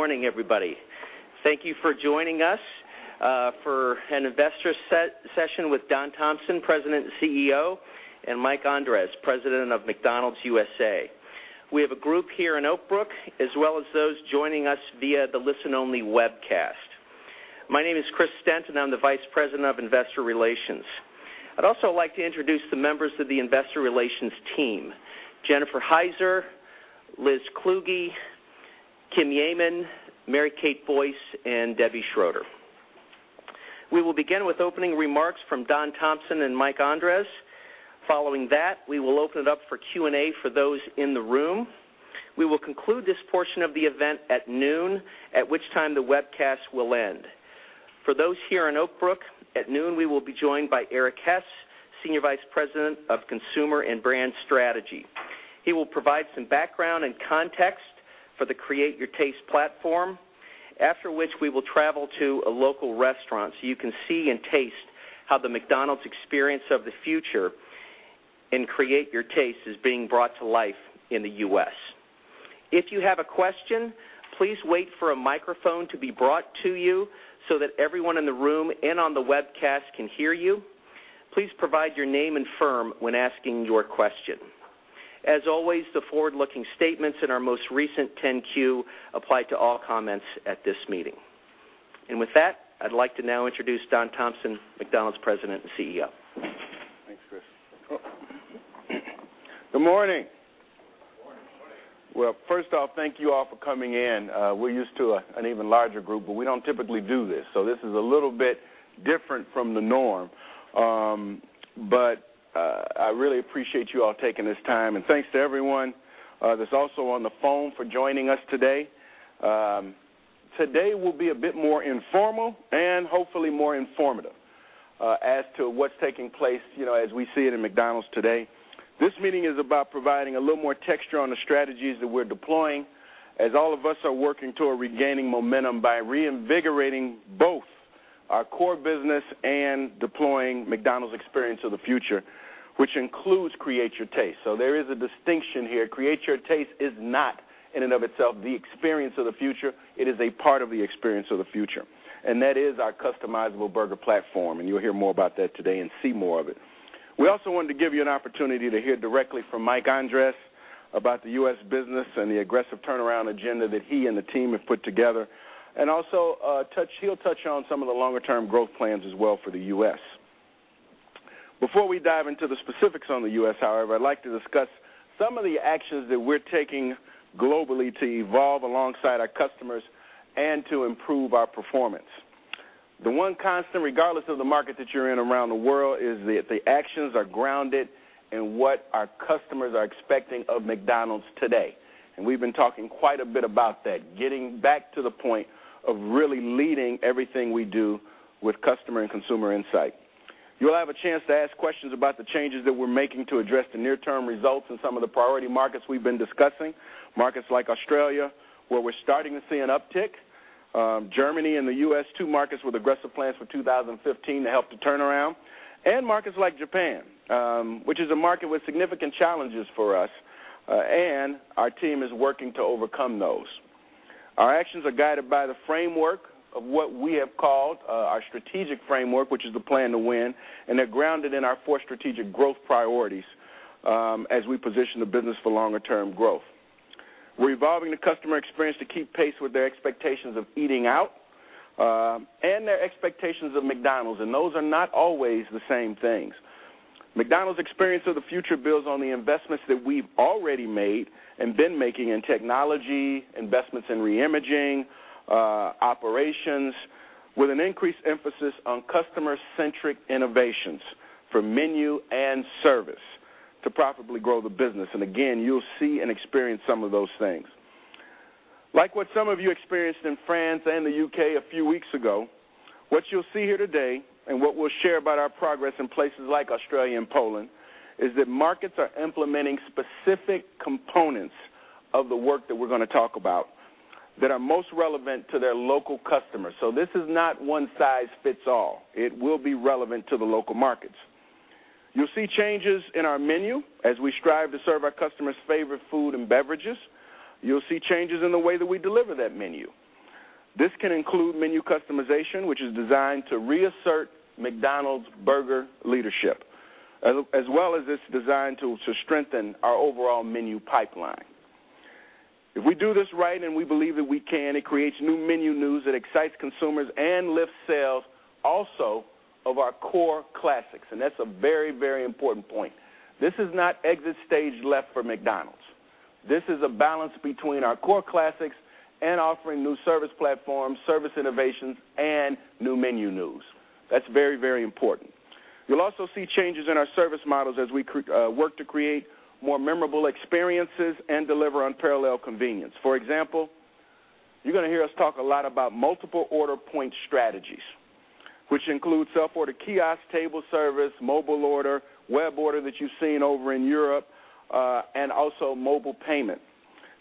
Good morning, everybody. Thank you for joining us for an investor session with Don Thompson, President and CEO, and Mike Andres, President of McDonald's USA. We have a group here in Oak Brook, as well as those joining us via the listen-only webcast. My name is Chris Stent and I'm the Vice President of Investor Relations. I'd also like to introduce the members of the investor relations team: Jennifer Heiser, Liz Kluge, Kim Yeaman, Mary Kate Boyce, and Debbie Schroeder. We will begin with opening remarks from Don Thompson and Mike Andres. Following that, we will open it up for Q&A for those in the room. We will conclude this portion of the event at noon, at which time the webcast will end. For those here in Oak Brook, at noon, we will be joined by Erik Hess, Senior Vice President of Consumer and Brand Strategy. He will provide some background and context for the Create Your Taste platform, after which we will travel to a local restaurant so you can see and taste how the McDonald's Experience of the Future and Create Your Taste is being brought to life in the U.S. If you have a question, please wait for a microphone to be brought to you so that everyone in the room and on the webcast can hear you. Please provide your name and firm when asking your question. As always, the forward-looking statements in our most recent 10-Q apply to all comments at this meeting. With that, I'd like to now introduce Don Thompson, McDonald's President and CEO. Thanks, Chris. Good morning. Good morning. First off, thank you all for coming in. We're used to an even larger group, we don't typically do this is a little bit different from the norm. I really appreciate you all taking this time, and thanks to everyone that's also on the phone for joining us today. Today will be a bit more informal and hopefully more informative as to what's taking place as we see it in McDonald's today. This meeting is about providing a little more texture on the strategies that we're deploying as all of us are working toward regaining momentum by reinvigorating both our core business and deploying McDonald's Experience of the Future, which includes Create Your Taste. There is a distinction here. Create Your Taste is not in and of itself the Experience of the Future. It is a part of the Experience of the Future, that is our customizable burger platform, you'll hear more about that today and see more of it. We also wanted to give you an opportunity to hear directly from Mike Andres about the U.S. business and the aggressive turnaround agenda that he and the team have put together, also he'll touch on some of the longer-term growth plans as well for the U.S. Before we dive into the specifics on the U.S., however, I'd like to discuss some of the actions that we're taking globally to evolve alongside our customers and to improve our performance. The one constant, regardless of the market that you're in around the world, is that the actions are grounded in what our customers are expecting of McDonald's today. We've been talking quite a bit about that, getting back to the point of really leading everything we do with customer and consumer insight. You'll have a chance to ask questions about the changes that we're making to address the near-term results in some of the priority markets we've been discussing. Markets like Australia, where we're starting to see an uptick. Germany and the U.S., two markets with aggressive plans for 2015 to help the turnaround. Markets like Japan, which is a market with significant challenges for us, our team is working to overcome those. Our actions are guided by the framework of what we have called our strategic framework, which is the Plan to Win, they're grounded in our four strategic growth priorities as we position the business for longer-term growth. We're evolving the customer experience to keep pace with their expectations of eating out, their expectations of McDonald's, those are not always the same things. McDonald's Experience of the Future builds on the investments that we've already made and been making in technology, investments in re-imaging, operations, with an increased emphasis on customer-centric innovations for menu and service to profitably grow the business. Again, you'll see and experience some of those things. Like what some of you experienced in France and the U.K. a few weeks ago, what you'll see here today, what we'll share about our progress in places like Australia and Poland, is that markets are implementing specific components of the work that we're going to talk about that are most relevant to their local customers. This is not one size fits all. It will be relevant to the local markets. You'll see changes in our menu as we strive to serve our customers' favorite food and beverages. You'll see changes in the way that we deliver that menu. This can include menu customization, which is designed to reassert McDonald's burger leadership, as well as it's designed to strengthen our overall menu pipeline. If we do this right, and we believe that we can, it creates new menu news that excites consumers and lifts sales also of our core classics, and that's a very, very important point. This is not exit stage left for McDonald's. This is a balance between our core classics and offering new service platforms, service innovations, and new menu news. That's very, very important. You'll also see changes in our service models as we work to create more memorable experiences and deliver unparalleled convenience. For example, you're going to hear us talk a lot about multiple order point strategies, which includes self-order kiosk table service, mobile order, web order that you've seen over in Europe, and also mobile payment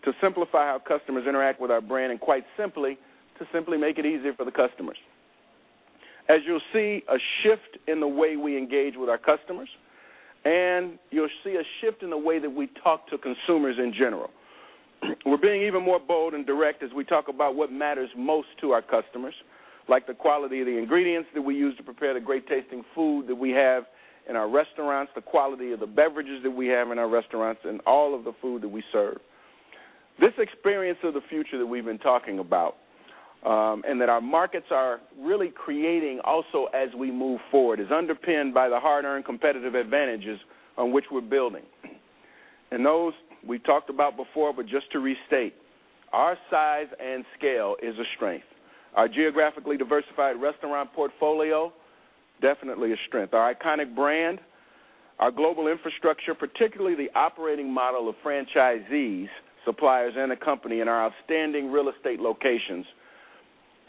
to simplify how customers interact with our brand and quite simply, to simply make it easier for the customers. As you'll see, a shift in the way we engage with our customers, and you'll see a shift in the way that we talk to consumers in general. We're being even more bold and direct as we talk about what matters most to our customers, like the quality of the ingredients that we use to prepare the great-tasting food that we have in our restaurants, the quality of the beverages that we have in our restaurants, and all of the food that we serve. This Experience of the Future that we've been talking about, and that our markets are really creating also as we move forward, is underpinned by the hard-earned competitive advantages on which we're building. Those we talked about before, but just to restate, our size and scale is a strength. Our geographically diversified restaurant portfolio, definitely a strength. Our iconic brand, our global infrastructure, particularly the operating model of franchisees, suppliers, and the company, and our outstanding real estate locations,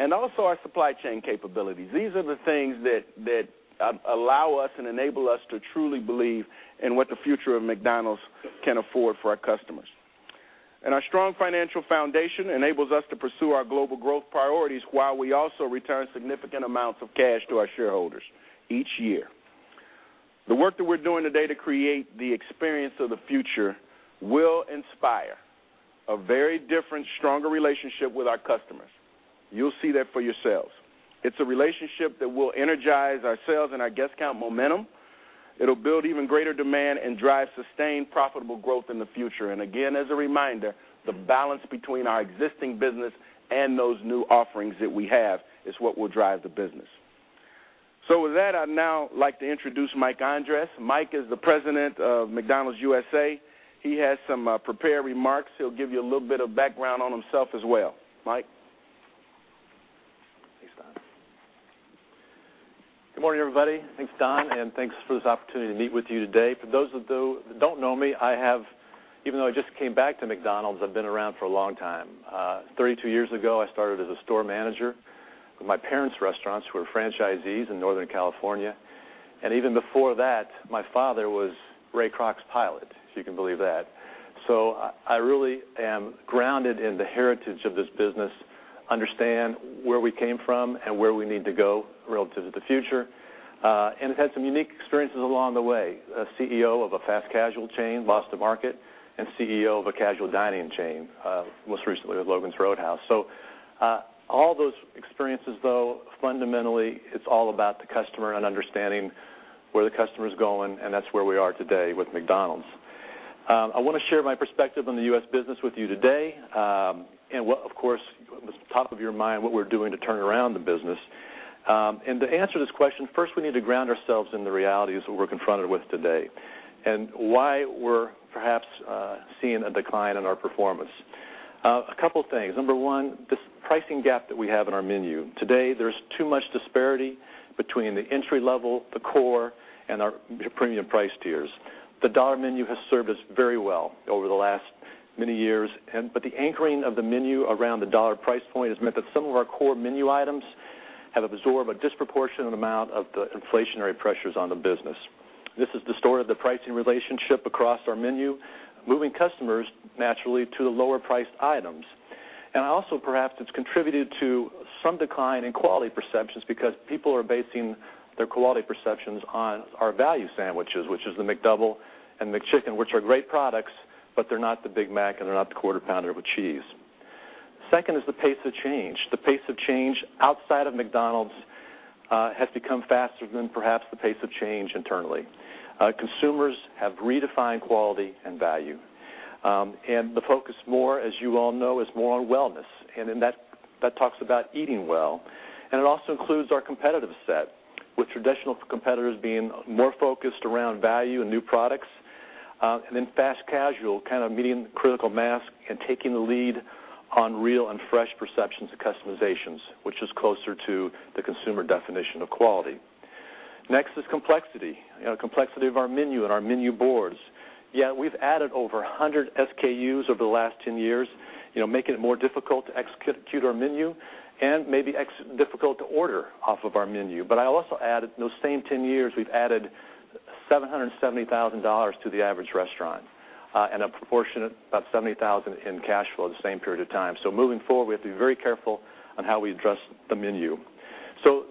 and also our supply chain capabilities. These are the things that allow us and enable us to truly believe in what the future of McDonald's can afford for our customers. Our strong financial foundation enables us to pursue our global growth priorities while we also return significant amounts of cash to our shareholders each year. The work that we're doing today to create the Experience of the Future will inspire a very different, stronger relationship with our customers. You'll see that for yourselves. It's a relationship that will energize our sales and our guest count momentum. It'll build even greater demand and drive sustained profitable growth in the future. Again, as a reminder, the balance between our existing business and those new offerings that we have is what will drive the business. With that, I'd now like to introduce Mike Andres. Mike is the president of McDonald's USA. He has some prepared remarks. He'll give you a little bit of background on himself as well. Mike? Thanks, Don. Good morning, everybody. Thanks, Don, and thanks for this opportunity to meet with you today. For those that don't know me, even though I just came back to McDonald's, I've been around for a long time. 32 years ago, I started as a store manager with my parents' restaurants who were franchisees in Northern California. Even before that, my father was Ray Kroc's pilot, if you can believe that. I really am grounded in the heritage of this business, understand where we came from and where we need to go relative to the future. I've had some unique experiences along the way. A CEO of a fast casual chain, lost to market, and CEO of a casual dining chain, most recently with Logan's Roadhouse. All those experiences though, fundamentally, it's all about the customer and understanding where the customer's going, and that's where we are today with McDonald's. I want to share my perspective on the U.S. business with you today, and what, of course, was top of your mind what we're doing to turn around the business. To answer this question, first, we need to ground ourselves in the realities that we're confronted with today and why we're perhaps seeing a decline in our performance. A couple of things. Number one, this pricing gap that we have in our menu. Today, there's too much disparity between the entry level, the core, and our premium price tiers. The Dollar Menu has served us very well over the last many years. The anchoring of the menu around the dollar price point has meant that some of our core menu items have absorbed a disproportionate amount of the inflationary pressures on the business. This has distorted the pricing relationship across our menu, moving customers naturally to the lower priced items. Also perhaps it's contributed to some decline in quality perceptions because people are basing their quality perceptions on our value sandwiches, which is the McDouble and McChicken, which are great products, but they're not the Big Mac and they're not the Quarter Pounder with cheese. Second is the pace of change. The pace of change outside of McDonald's has become faster than perhaps the pace of change internally. Consumers have redefined quality and value. The focus more, as you all know, is more on wellness, that talks about eating well, and it also includes our competitive set with traditional competitors being more focused around value and new products. Fast casual kind of meeting the critical mass and taking the lead on real and fresh perceptions and customizations, which is closer to the consumer definition of quality. Next is complexity of our menu and our menu boards. Yet we've added over 100 SKUs over the last 10 years, making it more difficult to execute our menu and maybe difficult to order off of our menu. I also add, in those same 10 years, we've added $770,000 to the average restaurant and a proportionate about $70,000 in cash flow at the same period of time. Moving forward, we have to be very careful on how we address the menu.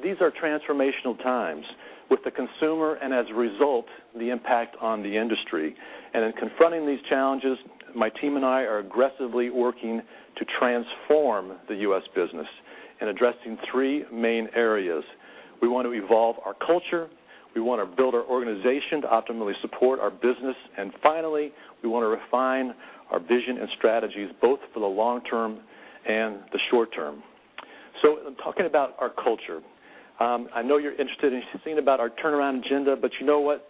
These are transformational times with the consumer and, as a result, the impact on the industry. In confronting these challenges, my team and I are aggressively working to transform the U.S. business and addressing three main areas. We want to evolve our culture, we want to build our organization to optimally support our business, and finally, we want to refine our vision and strategies both for the long term and the short term. In talking about our culture, I know you're interested in seeing about our turnaround agenda, but you know what?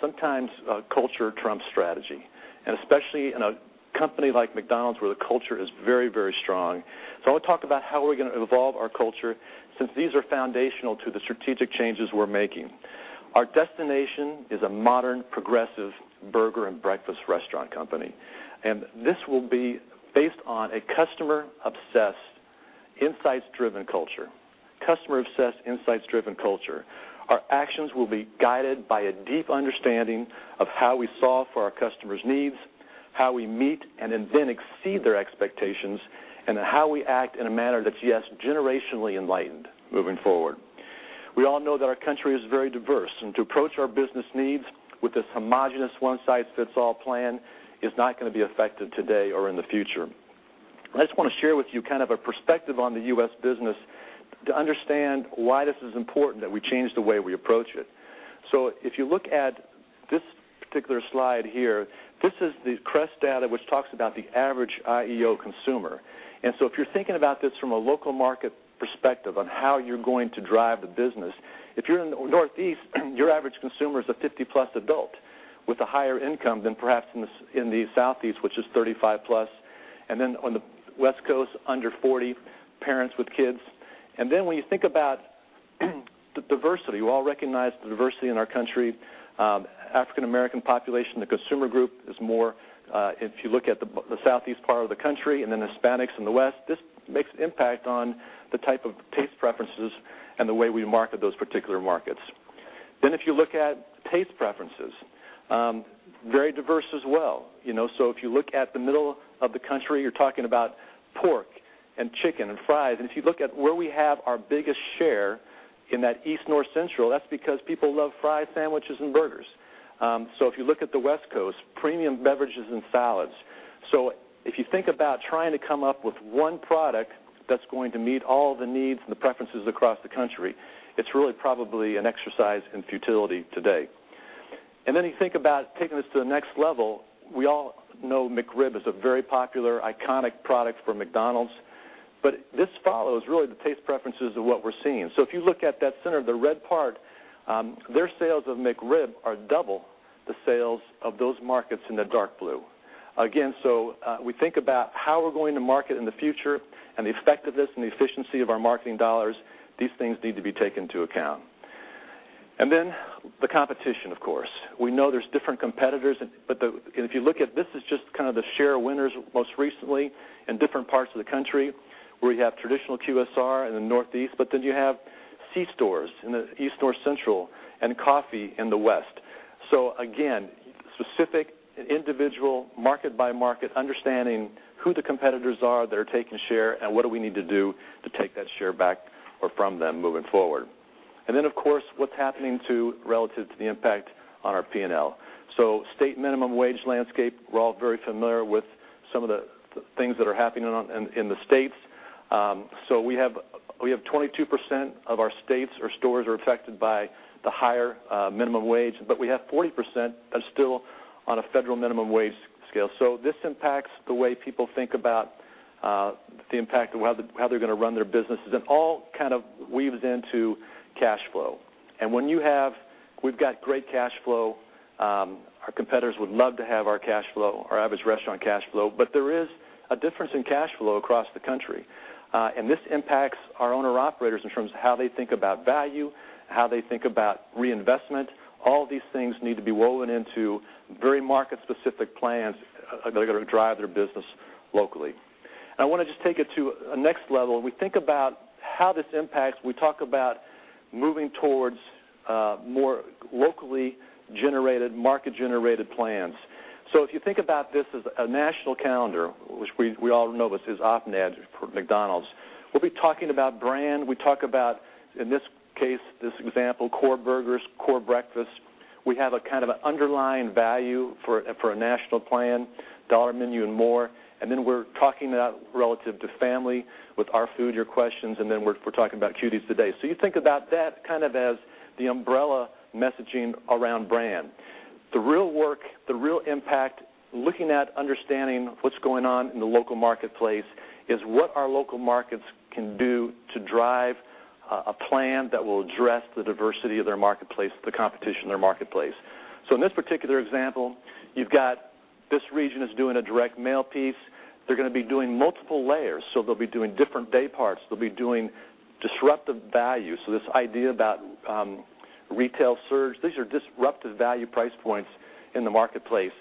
Sometimes culture trumps strategy, and especially in a company like McDonald's where the culture is very, very strong. I want to talk about how we're going to evolve our culture since these are foundational to the strategic changes we're making. Our destination is a modern, progressive burger and breakfast restaurant company, and this will be based on a customer-obsessed, insights-driven culture. Customer-obsessed, insights-driven culture. Our actions will be guided by a deep understanding of how we solve for our customers' needs. How we meet and then exceed their expectations, and how we act in a manner that's, yes, generationally enlightened moving forward. We all know that our country is very diverse, and to approach our business needs with this homogenous one-size-fits-all plan is not going to be effective today or in the future. I just want to share with you a perspective on the U.S. business to understand why this is important that we change the way we approach it. If you look at this particular slide here, this is the CREST data, which talks about the average IEO consumer. If you're thinking about this from a local market perspective on how you're going to drive the business, if you're in the Northeast, your average consumer is a 50-plus adult with a higher income than perhaps in the Southeast, which is 35-plus, and on the West Coast, under 40, parents with kids. When you think about the diversity, we all recognize the diversity in our country. African American population, the consumer group is more, if you look at the Southeast part of the country, and Hispanics in the West. This makes an impact on the type of taste preferences and the way we market those particular markets. If you look at taste preferences, very diverse as well. If you look at the middle of the country, you're talking about pork and chicken and fries. If you look at where we have our biggest share in that East North Central, that's because people love fries, sandwiches, and burgers. If you look at the West Coast, premium beverages and salads. If you think about trying to come up with one product that's going to meet all the needs and the preferences across the country, it's really probably an exercise in futility today. Then you think about taking this to the next level. We all know McRib is a very popular, iconic product for McDonald's. This follows, really, the taste preferences of what we're seeing. If you look at that center, the red part, their sales of McRib are double the sales of those markets in the dark blue. We think about how we're going to market in the future and the effectiveness and the efficiency of our marketing dollars. These things need to be taken into account. The competition, of course. We know there's different competitors. If you look at this is just the share winners most recently in different parts of the country, where you have traditional QSR in the Northeast, you have C-stores in the East North Central, and coffee in the West. Specific individual market-by-market understanding who the competitors are that are taking share, and what do we need to do to take that share back or from them moving forward. Of course, what's happening relative to the impact on our P&L. State minimum wage landscape, we're all very familiar with some of the things that are happening in the states. We have 22% of our states or stores are affected by the higher minimum wage, we have 40% that are still on a federal minimum wage scale. This impacts the way people think about the impact of how they're going to run their businesses. It all kind of weaves into cash flow. We've got great cash flow. Our competitors would love to have our cash flow, our average restaurant cash flow. There is a difference in cash flow across the country. This impacts our owner-operators in terms of how they think about value, how they think about reinvestment. All these things need to be woven into very market-specific plans that are going to drive their business locally. I want to just take it to a next level. When we think about how this impacts, we talk about moving towards more locally generated, market-generated plans. If you think about this as a national calendar, which we all know this is OPNAD for McDonald's. We'll be talking about brand. We talk about, in this case, this example, core burgers, core breakfast. We have a kind of underlying value for a national plan, Dollar Menu & More. We're talking about relative to family with Our Food Your Questions, we're talking about Cuties today. You think about that kind of as the umbrella messaging around brand. The real work, the real impact, looking at understanding what's going on in the local marketplace is what our local markets can do to drive a plan that will address the diversity of their marketplace, the competition in their marketplace. In this particular example, you've got this region is doing a direct mail piece. They're going to be doing multiple layers. They'll be doing different day parts. They'll be doing disruptive value. This idea about retail surge, these are disruptive value price points in the marketplace.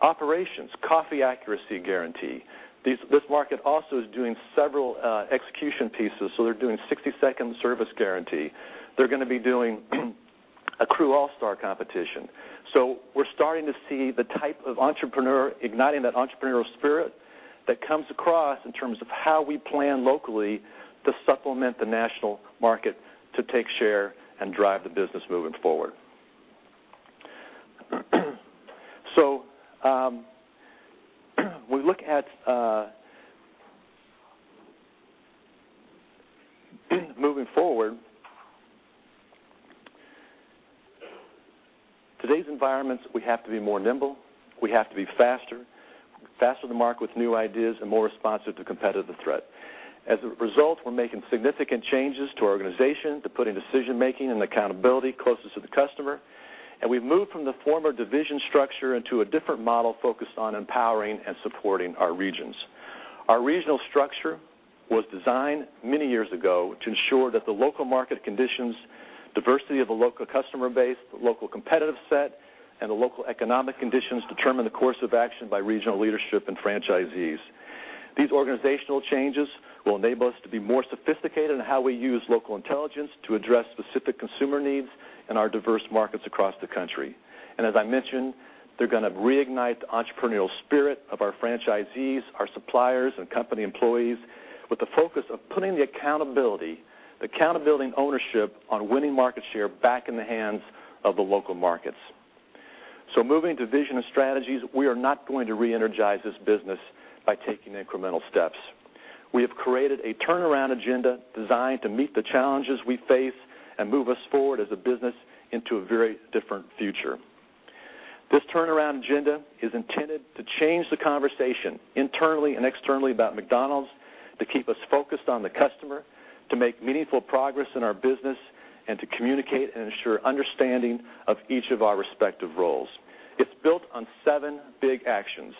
Operations, coffee accuracy guarantee. This market also is doing several execution pieces. They're doing 60-second service guarantee. They're going to be doing a crew all-star competition. We're starting to see the type of entrepreneur igniting that entrepreneurial spirit that comes across in terms of how we plan locally to supplement the national market to take share and drive the business moving forward. We look at moving forward, today's environments, we have to be more nimble. We have to be faster to market with new ideas and more responsive to competitive threat. As a result, we're making significant changes to our organization to putting decision-making and accountability closest to the customer. We've moved from the former division structure into a different model focused on empowering and supporting our regions. Our regional structure was designed many years ago to ensure that the local market conditions, diversity of the local customer base, the local competitive set, and the local economic conditions determine the course of action by regional leadership and franchisees. These organizational changes will enable us to be more sophisticated in how we use local intelligence to address specific consumer needs in our diverse markets across the country. As I mentioned, they're going to reignite the entrepreneurial spirit of our franchisees, our suppliers, and company employees with the focus of putting the accountability and ownership on winning market share back in the hands of the local markets. Moving to vision and strategies, we are not going to reenergize this business by taking incremental steps. We have created a turnaround agenda designed to meet the challenges we face and move us forward as a business into a very different future. This turnaround agenda is intended to change the conversation internally and externally about McDonald's, to keep us focused on the customer, to make meaningful progress in our business, and to communicate and ensure understanding of each of our respective roles. It's built on seven big actions.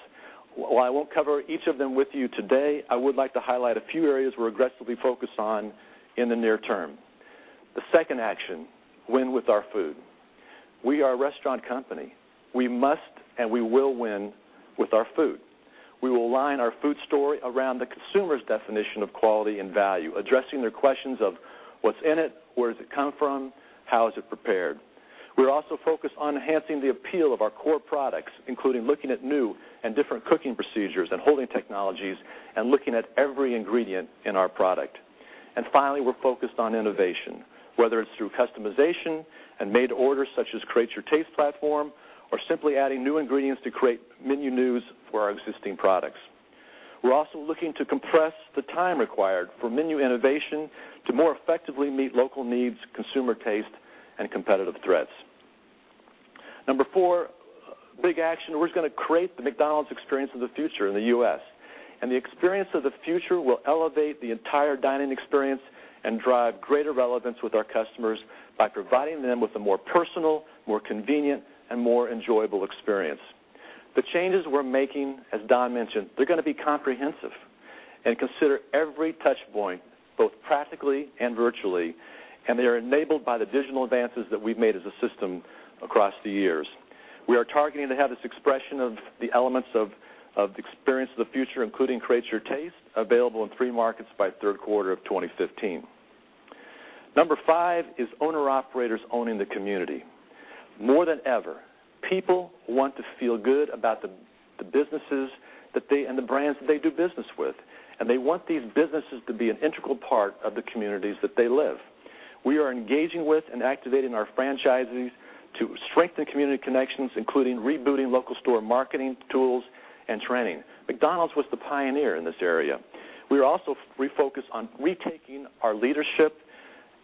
While I won't cover each of them with you today, I would like to highlight a few areas we're aggressively focused on in the near term. The second action, win with our food. We are a restaurant company. We must and we will win with our food. We will align our food story around the consumer's definition of quality and value, addressing their questions of what's in it, where does it come from, how is it prepared. We're also focused on enhancing the appeal of our core products, including looking at new and different cooking procedures and holding technologies and looking at every ingredient in our product. Finally, we're focused on innovation, whether it's through customization and made orders such as Create Your Taste platform, or simply adding new ingredients to create menu news for our existing products. We're also looking to compress the time required for menu innovation to more effectively meet local needs, consumer taste, and competitive threats. Number four big action, we're just going to create the McDonald's Experience of the Future in the U.S. The Experience of the Future will elevate the entire dining experience and drive greater relevance with our customers by providing them with a more personal, more convenient, and more enjoyable experience. The changes we're making, as Don mentioned, they're going to be comprehensive and consider every touchpoint, both practically and virtually, and they are enabled by the digital advances that we've made as a system across the years. We are targeting to have this expression of the elements of the Experience of the Future, including Create Your Taste, available in three markets by the third quarter of 2015. Number five is owner-operators owning the community. More than ever, people want to feel good about the businesses and the brands that they do business with, and they want these businesses to be an integral part of the communities that they live. We are engaging with and activating our franchisees to strengthen community connections, including rebooting local store marketing tools and training. McDonald's was the pioneer in this area. We are also refocused on retaking our leadership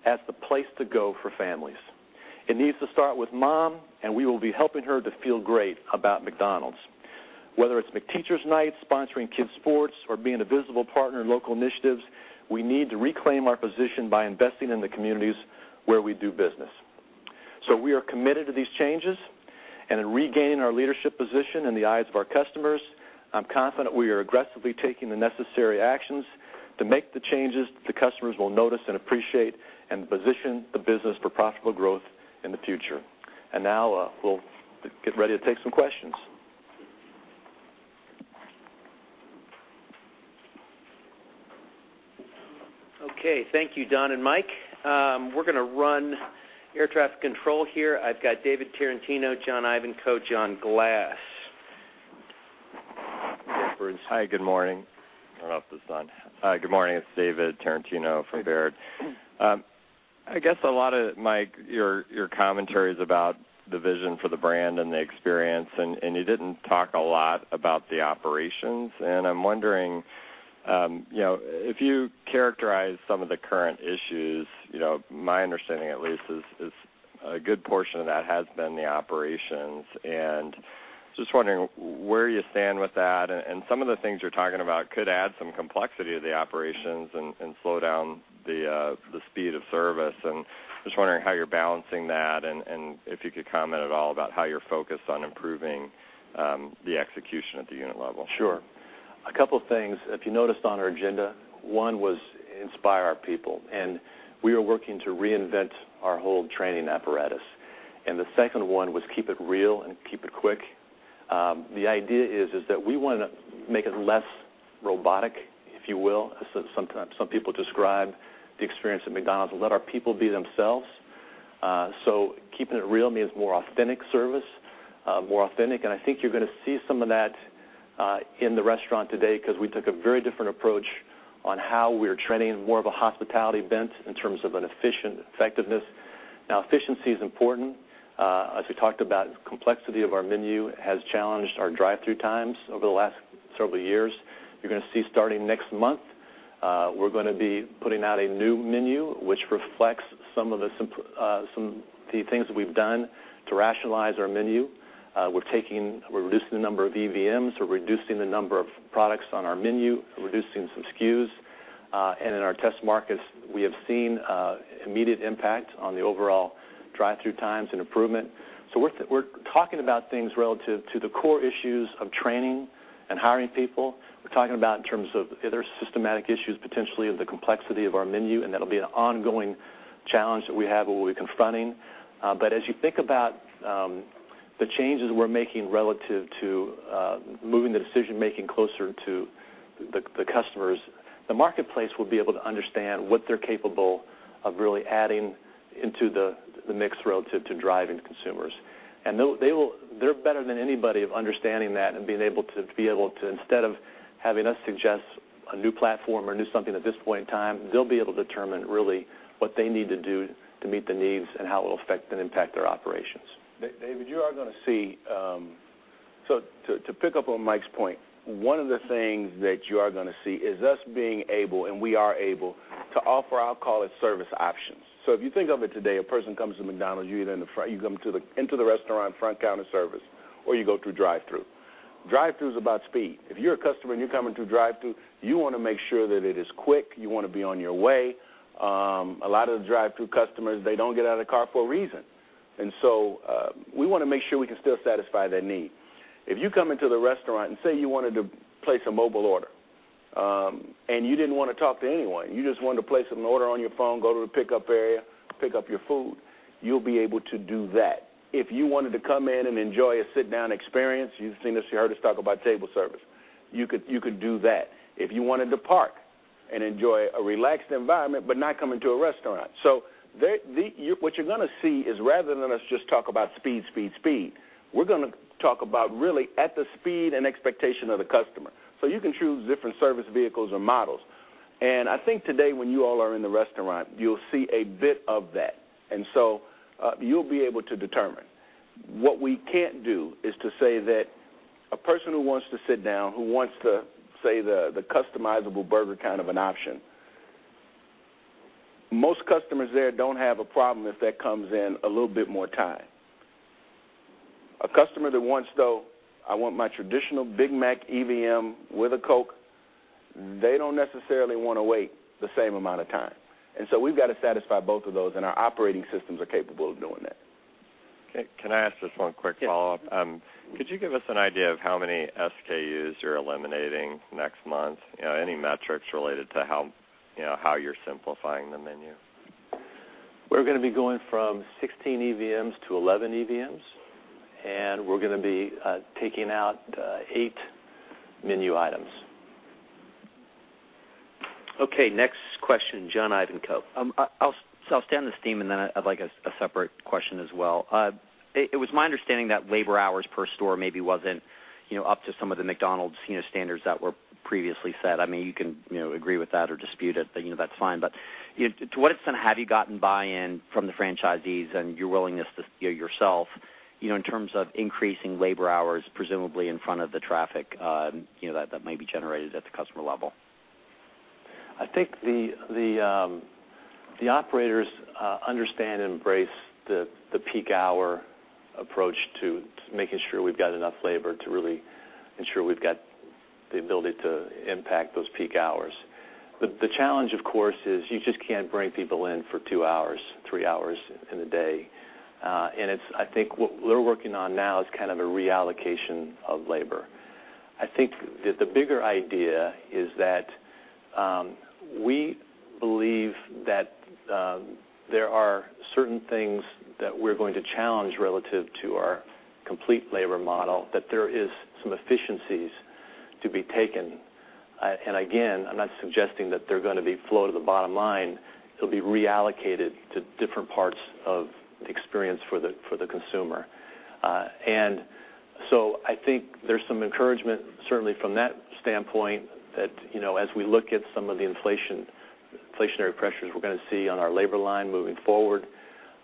as the place to go for families. It needs to start with mom, and we will be helping her to feel great about McDonald's. Whether it's McTeacher's Night, sponsoring kids' sports, or being a visible partner in local initiatives, we need to reclaim our position by investing in the communities where we do business. We are committed to these changes and in regaining our leadership position in the eyes of our customers. I'm confident we are aggressively taking the necessary actions to make the changes that the customers will notice and appreciate and position the business for profitable growth in the future. Now, we'll get ready to take some questions. Okay. Thank you, Don and Mike. We're going to run air traffic control here. I've got David Tarantino, John Ivankoe, John Glass. Hi, good morning. Turn off the sound. Hi, good morning. It's David Tarantino from Baird. I guess a lot of, Mike, your commentary is about the vision for the brand and the experience, you didn't talk a lot about the operations. I'm wondering, if you characterize some of the current issues, my understanding at least is a good portion of that has been the operations. Just wondering where you stand with that. Some of the things you're talking about could add some complexity to the operations and slow down the speed of service. Just wondering how you're balancing that and if you could comment at all about how you're focused on improving the execution at the unit level. Sure. A couple of things. If you noticed on our agenda, one was inspire our people, and we are working to reinvent our whole training apparatus. The second one was keep it real and keep it quick. The idea is that we want to make it less robotic, if you will. Sometimes some people describe the experience at McDonald's and let our people be themselves. Keeping it real means more authentic service. I think you're going to see some of that in the restaurant today because we took a very different approach on how we're training more of a hospitality bent in terms of an efficient effectiveness. Now, efficiency is important. As we talked about, the complexity of our menu has challenged our drive-thru times over the last several years. You're going to see starting next month, we're going to be putting out a new menu, which reflects some of the things that we've done to rationalize our menu. We're reducing the number of EVMs. We're reducing the number of products on our menu. We're reducing some SKUs. In our test markets, we have seen immediate impact on the overall drive-thru times and improvement. We're talking about things relative to the core issues of training and hiring people. We're talking about in terms of other systematic issues, potentially of the complexity of our menu, and that'll be an ongoing challenge that we have, or we're confronting. As you think about the changes we're making relative to moving the decision-making closer to the customers, the marketplace will be able to understand what they're capable of really adding into the mix relative to driving consumers. They're better than anybody of understanding that and being able to, instead of having us suggest a new platform or a new something at this point in time, they'll be able to determine really what they need to do to meet the needs and how it'll affect and impact their operations. David, you are going to see, to pick up on Mike's point, one of the things that you are going to see is us being able, and we are able, to offer, I'll call it service options. If you think of it today, a person comes to McDonald's, you come into the restaurant, front counter service, or you go through drive-through. Drive-through is about speed. If you're a customer and you come into a drive-through, you want to make sure that it is quick. You want to be on your way. A lot of the drive-through customers, they don't get out of the car for a reason. We want to make sure we can still satisfy that need. If you come into the restaurant and say you wanted to place a mobile order, and you didn't want to talk to anyone, you just wanted to place an order on your phone, go to the pickup area, pick up your food, you'll be able to do that. If you wanted to come in and enjoy a sit-down experience, you've heard us talk about table service. You could do that. If you wanted to park and enjoy a relaxed environment, but not come into a restaurant. What you're going to see is rather than us just talk about speed, we're going to talk about really at the speed and expectation of the customer. You can choose different service vehicles or models. I think today, when you all are in the restaurant, you'll see a bit of that. You'll be able to determine. What we can't do is to say that a person who wants to sit down, who wants the customizable burger kind of an option, most customers there don't have a problem if that comes in a little bit more time. A customer that wants though, I want my traditional Big Mac EVM with a Coke, they don't necessarily want to wait the same amount of time. We've got to satisfy both of those, and our operating systems are capable of doing that. Okay. Can I ask just one quick follow-up? Yes. Could you give us an idea of how many SKUs you're eliminating next month? Any metrics related to how you're simplifying the menu? We're going to be going from 16 EVMs to 11 EVMs, and we're going to be taking out eight menu items. next question, John Ivankoe. I'll stay on this theme, and then I'd like a separate question as well. It was my understanding that labor hours per store maybe wasn't up to some of the McDonald's standards that were previously set. You can agree with that or dispute it, but that's fine. To what extent have you gotten buy-in from the franchisees and your willingness to yourself, in terms of increasing labor hours, presumably in front of the traffic that may be generated at the customer level? I think the operators understand and embrace the peak hour approach to making sure we've got enough labor to really ensure we've got the ability to impact those peak hours. The challenge, of course, is you just can't bring people in for two hours, three hours in a day. I think what we're working on now is kind of a reallocation of labor. I think that the bigger idea is that we believe that there are certain things that we're going to challenge relative to our complete labor model, that there is some efficiencies to be taken. Again, I'm not suggesting that they're going to flow to the bottom line. It'll be reallocated to different parts of the experience for the consumer. I think there's some encouragement, certainly from that standpoint, that as we look at some of the inflationary pressures we're going to see on our labor line moving forward,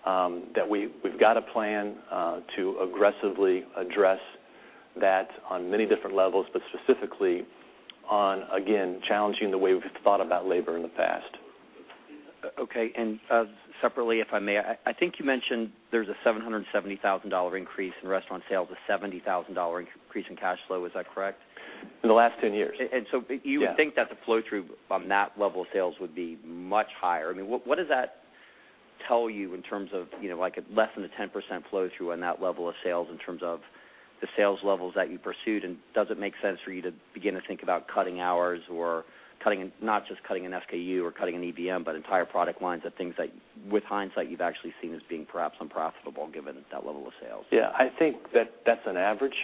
that we've got a plan to aggressively address that on many different levels, but specifically on, again, challenging the way we've thought about labor in the past. Separately, if I may, I think you mentioned there's a $770,000 increase in restaurant sales, a $70,000 increase in cash flow. Is that correct? In the last 10 years. You would think that the flow-through on that level of sales would be much higher. What does that tell you in terms of less than a 10% flow-through on that level of sales in terms of the sales levels that you pursued, and does it make sense for you to begin to think about cutting hours or not just cutting an SKU or cutting an EVM, but entire product lines of things that, with hindsight, you've actually seen as being perhaps unprofitable given that level of sales? Yeah. I think that that's an average,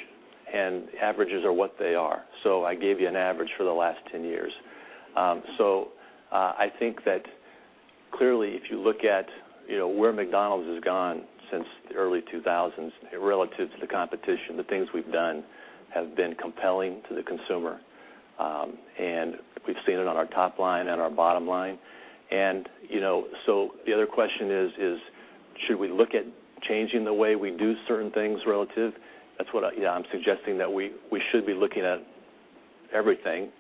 and averages are what they are. I gave you an average for the last 10 years. I think that clearly, if you look at where McDonald's has gone since the early 2000s relative to the competition, the things we've done have been compelling to the consumer. We've seen it on our top line and our bottom line. The other question is, should we look at changing the way we do certain things relative? Yeah, I'm suggesting that we should be looking at everything.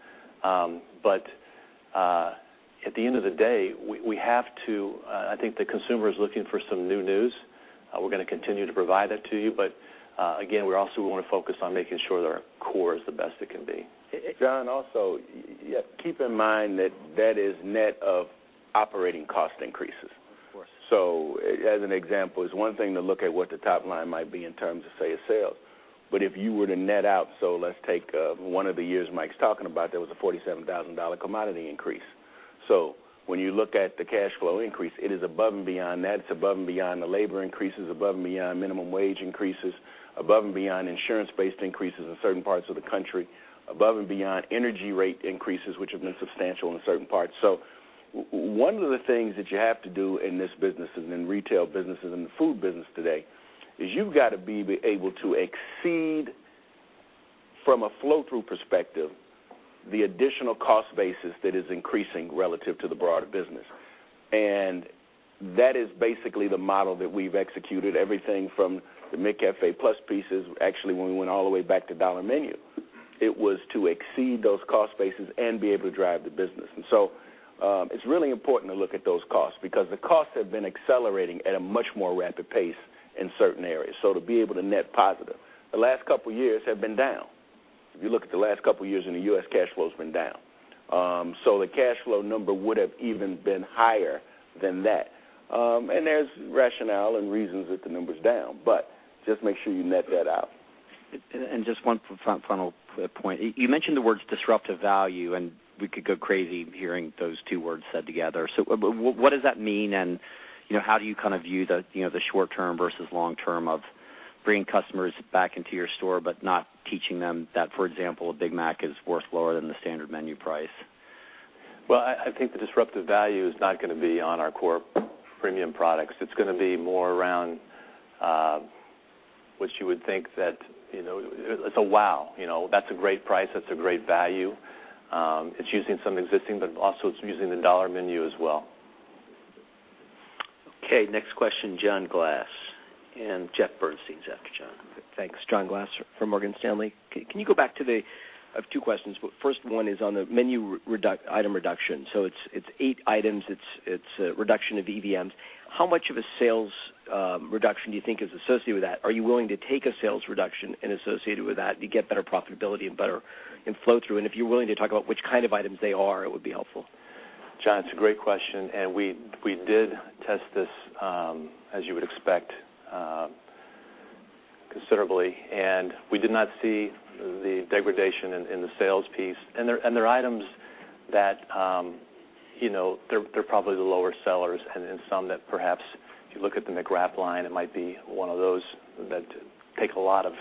At the end of the day, I think the consumer is looking for some new news. We're going to continue to provide that to you. Again, we also want to focus on making sure that our core is the best it can be. John, also, keep in mind that that is net of operating cost increases. Of course. As an example, it's one thing to look at what the top line might be in terms of, say, a sale. If you were to net out, let's take one of the years Mike's talking about, there was a $47,000 commodity increase. When you look at the cash flow increase, it's above and beyond that. It's above and beyond the labor increases, above and beyond minimum wage increases, above and beyond insurance-based increases in certain parts of the country, above and beyond energy rate increases, which have been substantial in certain parts. One of the things that you have to do in this business and in retail businesses and the food business today is you've got to be able to exceed, from a flow-through perspective, the additional cost basis that is increasing relative to the broader business. That is basically the model that we've executed, everything from the McCafé Plus pieces. Actually, when we went all the way back to Dollar Menu, it was to exceed those cost bases and be able to drive the business. It's really important to look at those costs because the costs have been accelerating at a much more rapid pace in certain areas. To be able to net positive. The last couple of years have been down. If you look at the last couple of years in the U.S., cash flow's been down. The cash flow number would have even been higher than that. There's rationale and reasons that the number's down, but just make sure you net that out. Just one final point. You mentioned the words disruptive value, and we could go crazy hearing those two words said together. What does that mean? How do you view the short term versus long term of bringing customers back into your store but not teaching them that, for example, a Big Mac is worth lower than the standard menu price? Well, I think the disruptive value is not going to be on our core premium products. It's going to be more around what you would think that, it's a wow. That's a great price. That's a great value. It's using some existing, but also it's using the Dollar Menu as well. Okay, next question, John Glass. Jeffrey Bernstein's after John. Thanks. John Glass from Morgan Stanley. I have two questions. First one is on the menu item reduction. It's eight items. It's a reduction of EVMs. How much of a sales reduction do you think is associated with that? Are you willing to take a sales reduction and associate it with that to get better profitability and flow through? If you're willing to talk about which kind of items they are, it would be helpful. John, it's a great question, we did test this, as you would expect, considerably, we did not see the degradation in the sales piece. They're items that they're probably the lower sellers and some that perhaps if you look at the McWrap line, it might be one of those that take a lot of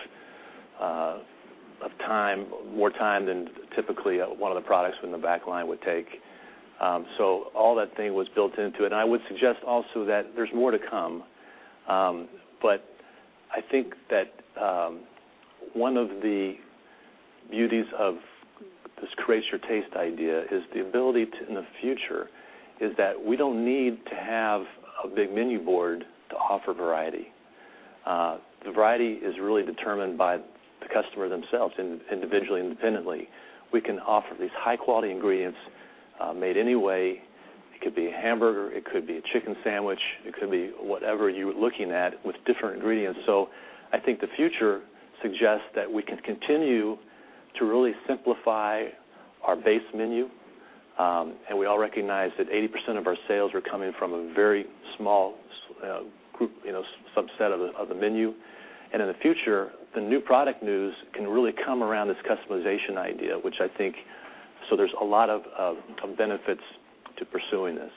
more time than typically one of the products from the back line would take. All that thing was built into it. I would suggest also that there's more to come. I think that one of the beauties of this Create Your Taste idea is the ability to, in the future, is that we don't need to have a big menu board to offer variety. The variety is really determined by the customer themselves, individually and independently. We can offer these high-quality ingredients, made any way. It could be a hamburger, it could be a chicken sandwich, it could be whatever you're looking at with different ingredients. I think the future suggests that we can continue to really simplify our base menu. We all recognize that 80% of our sales are coming from a very small group, subset of the menu. In the future, the new product news can really come around this customization idea. There's a lot of benefits to pursuing this.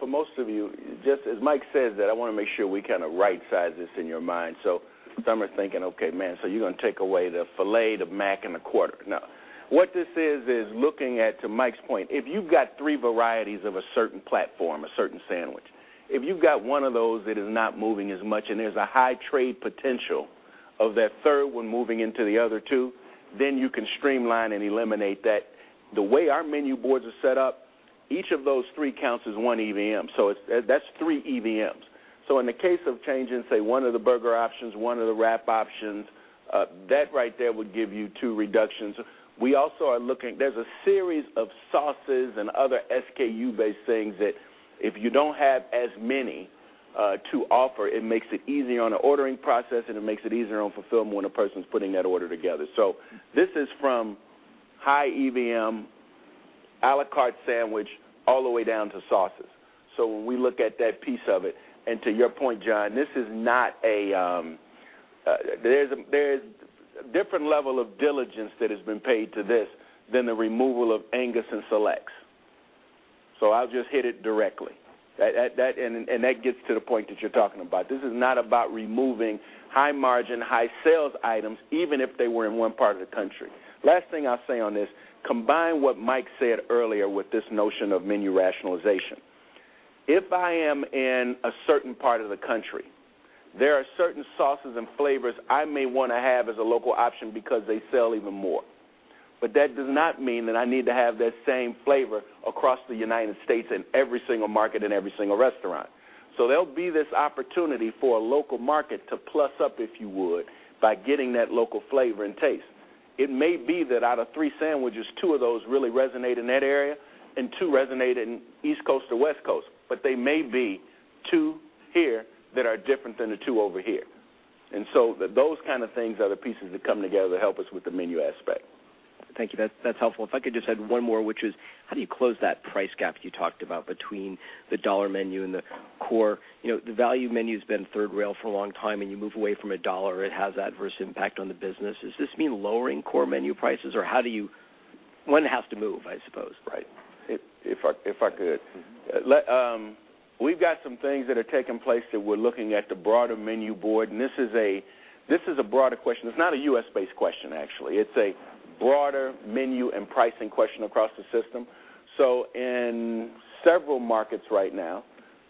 For most of you, just as Mike says, that I want to make sure we kind of right-size this in your mind. Some are thinking, "Okay, man, you're going to take away the fillet, the Mac and the quarter." No. What this is looking at, to Mike's point, if you've got three varieties of a certain platform, a certain sandwich. If you've got one of those that is not moving as much and there's a high trade potential of that third one moving into the other two, you can streamline and eliminate that. The way our menu boards are set up, each of those three counts as one EVM. That's three EVMs. In the case of changing, say, one of the burger options, one of the wrap options, that right there would give you two reductions. There's a series of sauces and other SKU-based things that if you don't have as many to offer, it makes it easier on the ordering process and it makes it easier on fulfillment when a person's putting that order together. This is from high EVM, à la carte sandwich, all the way down to sauces. When we look at that piece of it, and to your point, John, there's a different level of diligence that has been paid to this than the removal of Angus and Selects. I'll just hit it directly. That gets to the point that you're talking about. This is not about removing high-margin, high-sales items, even if they were in one part of the country. Last thing I'll say on this, combine what Mike said earlier with this notion of menu rationalization. If I am in a certain part of the country, there are certain sauces and flavors I may want to have as a local option because they sell even more. That does not mean that I need to have that same flavor across the United States in every single market and every single restaurant. There'll be this opportunity for a local market to plus up, if you would, by getting that local flavor and taste. It may be that out of three sandwiches, two of those really resonate in that area, and two resonate in East Coast or West Coast. They may be two here that are different than the two over here. Those kind of things are the pieces that come together to help us with the menu aspect. Thank you. That's helpful. If I could just add one more, which is, how do you close that price gap you talked about between the Dollar Menu and the core? The value menu's been third rail for a long time. You move away from a dollar, it has adverse impact on the business. Does this mean lowering core menu prices, or how do you One has to move, I suppose? Right. If I could. We've got some things that are taking place that we're looking at the broader menu board, and this is a broader question. It's not a U.S.-based question, actually. It's a broader menu and pricing question across the system. In several markets right now,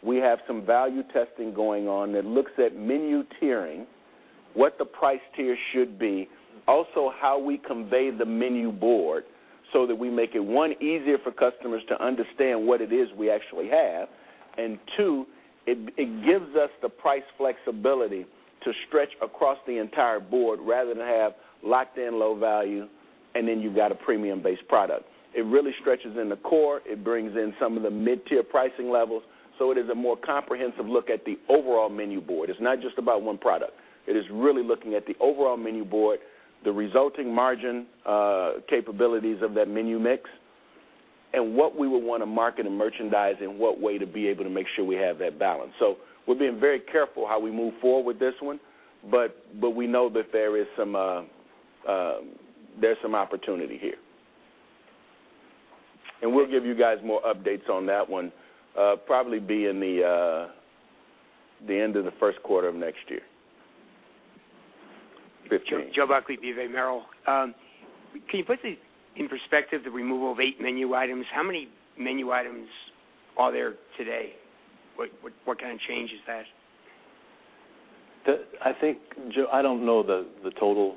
we have some value testing going on that looks at menu tiering, what the price tier should be. Also, how we convey the menu board so that we make it, one, easier for customers to understand what it is we actually have, and two, it gives us the price flexibility to stretch across the entire board rather than have locked-in low value, and then you've got a premium-based product. It really stretches in the core. It brings in some of the mid-tier pricing levels. It is a more comprehensive look at the overall menu board. It's not just about one product. It is really looking at the overall menu board, the resulting margin capabilities of that menu mix, and what we would want to market and merchandise, in what way to be able to make sure we have that balance. We're being very careful how we move forward with this one, but we know that there's some opportunity here. We'll give you guys more updates on that one, probably be in the end of the first quarter of next year. 15. Joe Buckley, B. of A. Merrill. Can you put this in perspective, the removal of eight menu items? How many menu items are there today? What kind of change is that? I think, Joe, I don't know the total.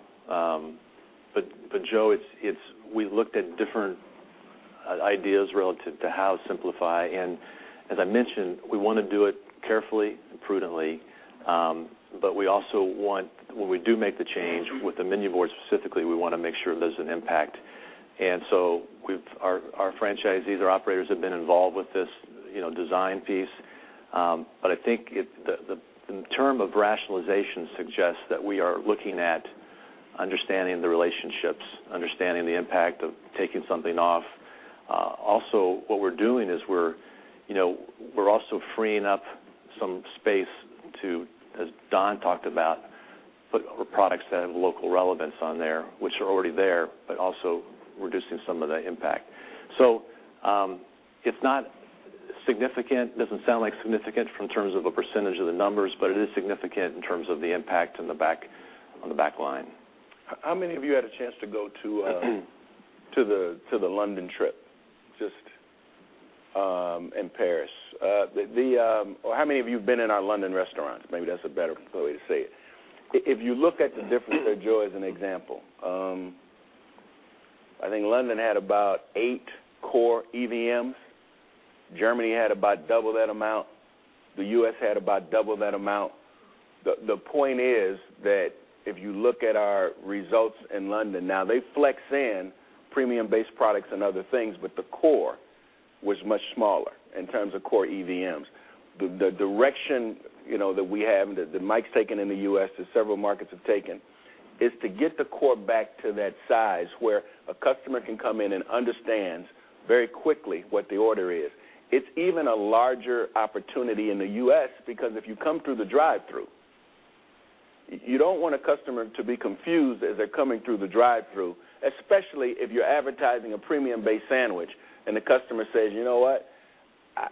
Joe, we looked at different ideas relative to how to simplify. As I mentioned, we want to do it carefully and prudently. We also want, when we do make the change with the menu board specifically, we want to make sure there's an impact. Our franchisees or operators have been involved with this design piece. I think the term of rationalization suggests that we are looking at understanding the relationships, understanding the impact of taking something off. What we're doing is we're also freeing up some space to, as Don talked about, put products that have local relevance on there, which are already there, but also reducing some of the impact. It's not significant, doesn't sound significant from terms of a percentage of the numbers, but it is significant in terms of the impact on the back line. How many of you had a chance to go to the London trip, just, and Paris? How many of you been in our London restaurants? Maybe that's a better way to say it. If you look at the difference there, Joe, as an example. I think London had about eight core EVMs. Germany had about double that amount. The U.S. had about double that amount. The point is that if you look at our results in London, now they flex in premium-based products and other things, but the core was much smaller in terms of core EVMs. The direction that we have, that Mike's taken in the U.S., that several markets have taken, is to get the core back to that size where a customer can come in and understand very quickly what the order is. It's even a larger opportunity in the U.S. because if you come through the drive-thru, you don't want a customer to be confused as they're coming through the drive-thru, especially if you're advertising a premium-based sandwich and the customer says, "You know what?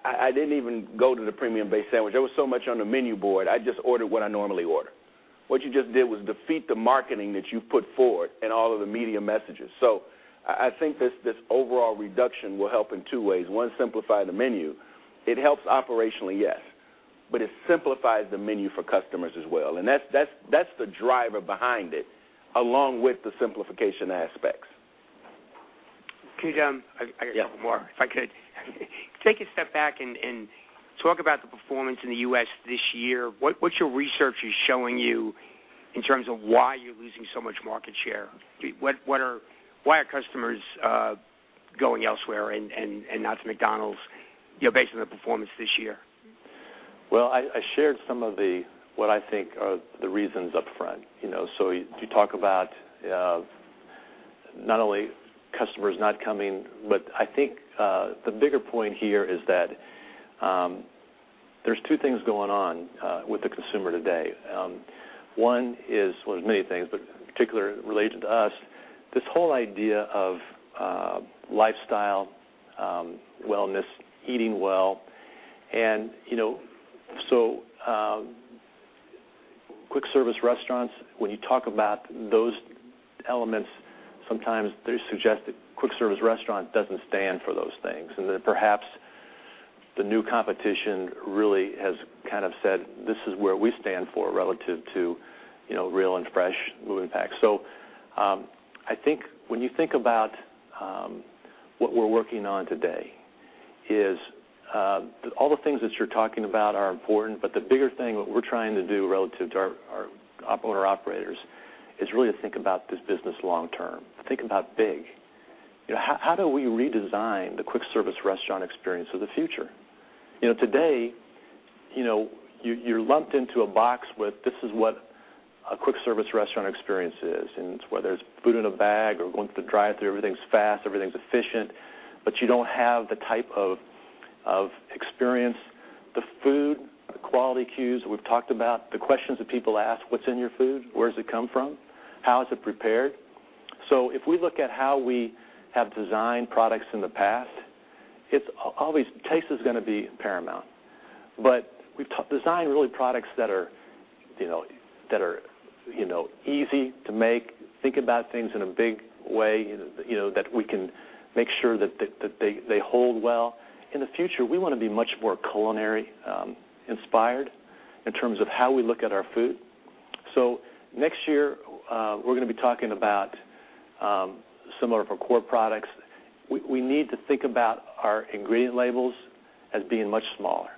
I didn't even go to the premium-based sandwich. There was so much on the menu board. I just ordered what I normally order." What you just did was defeat the marketing that you put forward and all of the media messages. I think this overall reduction will help in two ways. One, simplify the menu. It helps operationally, yes. It simplifies the menu for customers as well, and that's the driver behind it, along with the simplification aspects. I got a couple more. Yeah. If I could take a step back and talk about the performance in the U.S. this year. What your research is showing you in terms of why you're losing so much market share? Why are customers going elsewhere and not to McDonald's, based on the performance this year? Well, I shared some of the, what I think are the reasons up front. You talk about not only customers not coming, but I think, the bigger point here is that there's two things going on with the consumer today. One is, well, there's many things, but particular related to us, this whole idea of lifestyle, wellness, eating well. Quick service restaurants, when you talk about those elements, sometimes they suggest that quick service restaurant doesn't stand for those things. Perhaps the new competition really has kind of said, "This is where we stand for relative to real and fresh," moving back. I think when you think about what we're working on today is all the things that you're talking about are important, but the bigger thing, what we're trying to do relative to our operators is really to think about this business long term, think about big. How do we redesign the quick service restaurant Experience of the Future? You're lumped into a box with, this is what a quick service restaurant experience is, and it's whether it's food in a bag or going through the drive-thru, everything's fast, everything's efficient, but you don't have the type of experience, the food, the quality cues we've talked about, the questions that people ask: What's in your food? Where does it come from? How is it prepared? If we look at how we have designed products in the past, taste is going to be paramount. We've designed, really, products that are easy to make, think about things in a big way, that we can make sure that they hold well. In the future, we want to be much more culinary inspired in terms of how we look at our food. Next year, we're going to be talking about similar for core products. We need to think about our ingredient labels as being much smaller.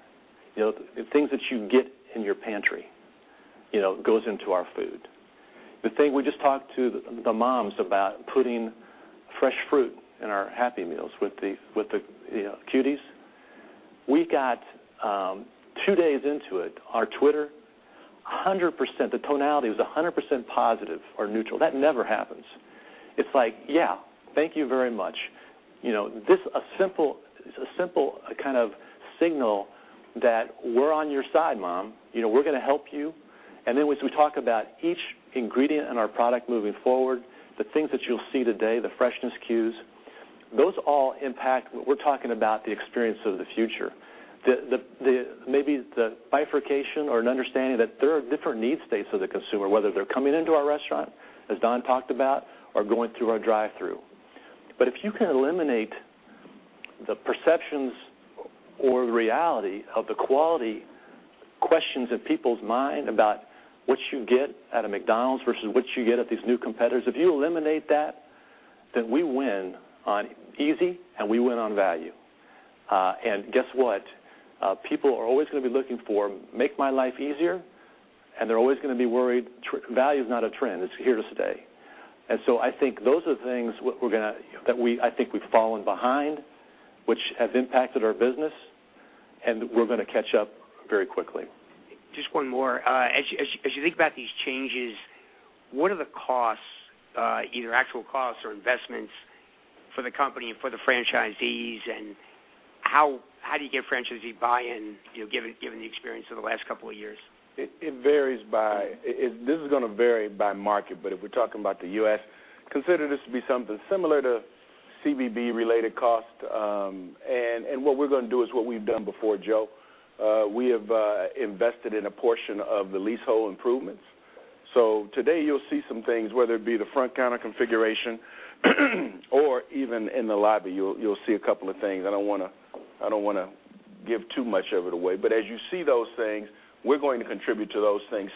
The things that you get in your pantry goes into our food. We just talked to the moms about putting fresh fruit in our Happy Meal with the Cuties. We got two days into it. Our Twitter, the tonality was 100% positive or neutral. That never happens. It's like, "Yeah, thank you very much." A simple kind of signal that we're on your side, mom. We're going to help you. As we talk about each ingredient in our product moving forward, the things that you'll see today, the freshness cues, those all impact what we're talking about, the Experience of the Future. Maybe the bifurcation or an understanding that there are different need states of the consumer, whether they're coming into our restaurant, as Don talked about, or going through our drive-thru. If you can eliminate the perceptions or reality of the quality questions in people's mind about what you get at a McDonald's versus what you get at these new competitors, if you eliminate that, then we win on easy, and we win on value. Guess what? People are always going to be looking for make my life easier, and they're always going to be worried. Value is not a trend. It's here to stay. I think those are things that I think we've fallen behind, which have impacted our business, and we're going to catch up very quickly. Just one more. As you think about these changes, what are the costs, either actual costs or investments for the company and for the franchisees, and how do you get franchisee buy-in, given the experience of the last couple of years? It varies. This is going to vary by market, but if we're talking about the U.S., consider this to be something similar to CVB-related cost. What we're going to do is what we've done before, Joe. We have invested in a portion of the leasehold improvements. Today you'll see some things, whether it be the front counter configuration or even in the lobby, you'll see a couple of things. I don't want to give too much of it away. As you see those things, we're going to contribute to those things.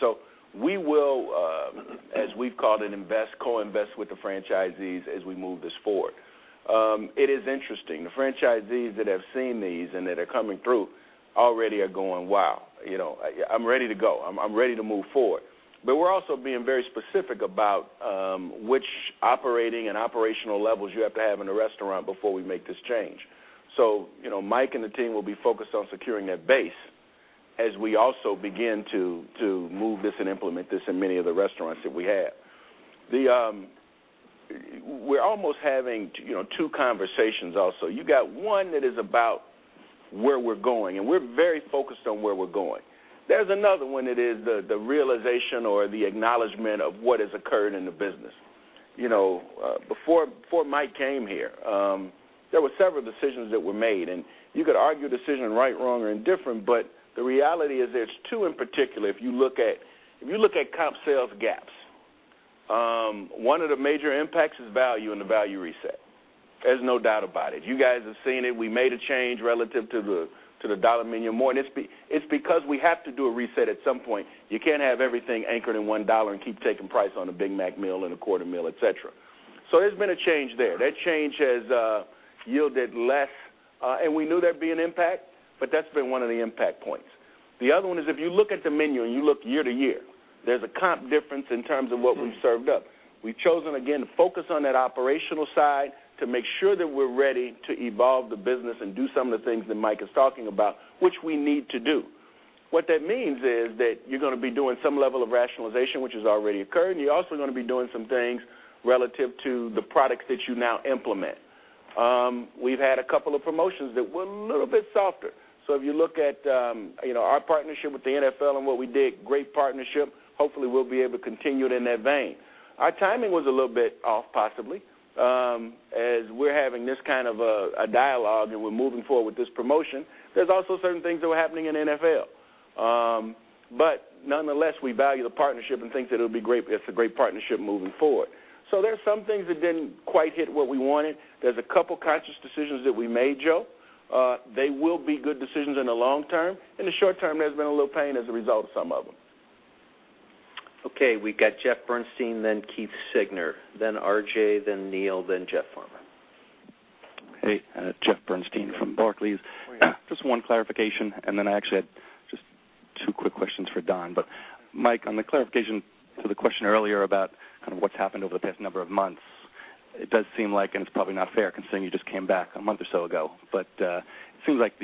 We will, as we've called it, co-invest with the franchisees as we move this forward. It is interesting. The franchisees that have seen these and that are coming through already are going, "Wow. I'm ready to go. I'm ready to move forward." We're also being very specific about which operating and operational levels you have to have in a restaurant before we make this change. Mike and the team will be focused on securing that base as we also begin to move this and implement this in many of the restaurants that we have. We're almost having two conversations also. You got one that is about where we're going, and we're very focused on where we're going. There's another one that is the realization or the acknowledgment of what has occurred in the business. Before Mike came here, there were several decisions that were made, and you could argue decision right, wrong, or indifferent, but the reality is there's two in particular. If you look at comp sales gaps, one of the major impacts is value and the value reset. There's no doubt about it. You guys have seen it. We made a change relative to the Dollar Menu & More, and it's because we have to do a reset at some point. You can't have everything anchored in $1 and keep taking price on a Big Mac meal and a Quarter Pounder, et cetera. There's been a change there. That change has yielded less, and we knew there'd be an impact, but that's been one of the impact points. The other one is, if you look at the menu and you look year to year, there's a comp difference in terms of what we've served up. We've chosen, again, to focus on that operational side to make sure that we're ready to evolve the business and do some of the things that Mike is talking about, which we need to do. What that means is that you're going to be doing some level of rationalization, which has already occurred, and you're also going to be doing some things relative to the products that you now implement. We've had a couple of promotions that were a little bit softer. If you look at our partnership with the NFL and what we did, great partnership. Hopefully, we'll be able to continue it in that vein. Our timing was a little bit off, possibly. As we're having this kind of a dialogue and we're moving forward with this promotion, there's also certain things that were happening in NFL. Nonetheless, we value the partnership and think that it's a great partnership moving forward. There's some things that didn't quite hit what we wanted. There's a couple conscious decisions that we made, Joe. They will be good decisions in the long term. In the short term, there's been a little pain as a result of some of them. Okay, we got Jeff Bernstein, then Keith Siegner, then RJ, then Neil, then Jeff Farmer. Hey, Jeff Bernstein from Barclays. Just one clarification. Then I actually had just For Don. Mike, on the clarification to the question earlier about what's happened over the past number of months, it does seem like, and it's probably not fair considering you just came back a month or so ago, but it seems like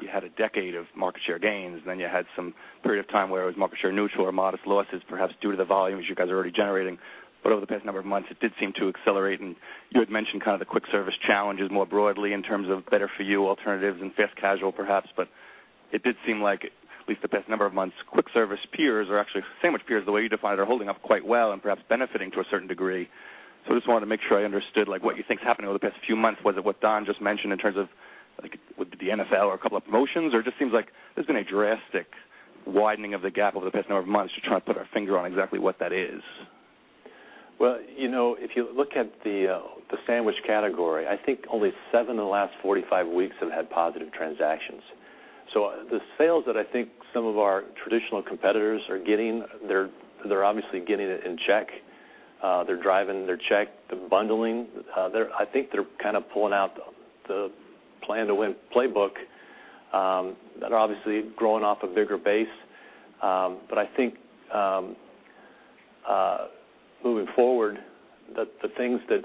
you had a decade of market share gains, and then you had some period of time where it was market share neutral or modest losses, perhaps due to the volumes you guys are already generating. Over the past number of months, it did seem to accelerate. You had mentioned the quick service challenges more broadly in terms of better for you alternatives and fast casual, perhaps. It did seem like at least the past number of months, quick service peers or actually sandwich peers, the way you define it, are holding up quite well and perhaps benefiting to a certain degree. I just wanted to make sure I understood what you think is happening over the past few months. Was it what Don just mentioned in terms of with the NFL or a couple of promotions, or just seems like there's been a drastic widening of the gap over the past number of months, just trying to put our finger on exactly what that is? Well, if you look at the sandwich category, I think only seven of the last 45 weeks have had positive transactions. The sales that I think some of our traditional competitors are getting, they're obviously getting it in check. They're driving their check. They're bundling. I think they're kind of pulling out the Plan to Win playbook. They're obviously growing off a bigger base. I think, moving forward, that the things that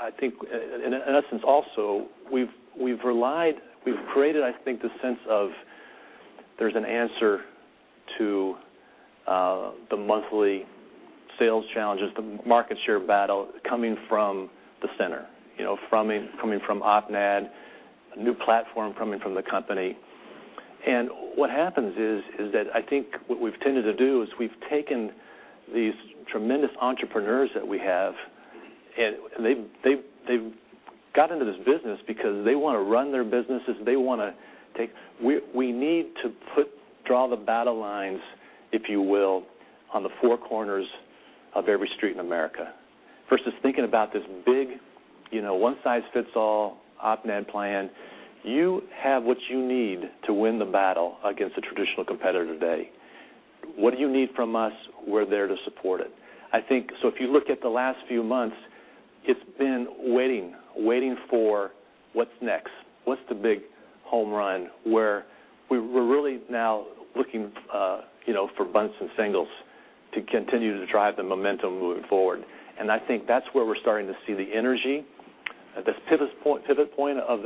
I think, in essence, also, we've created, I think, the sense of there's an answer to the monthly sales challenges, the market share battle coming from the center, coming from OPNAD, a new platform coming from the company. What happens is that I think what we've tended to do is we've taken these tremendous entrepreneurs that we have, and they've got into this business because they want to run their businesses. We need to draw the battle lines, if you will, on the four corners of every street in America versus thinking about this big one-size-fits-all OPNAD plan. You have what you need to win the battle against a traditional competitor today. What do you need from us? We're there to support it. I think, if you look at the last few months, it's been waiting for what's next. What's the big home run where we're really now looking for bunts and singles to continue to drive the momentum moving forward. I think that's where we're starting to see the energy, this pivot point of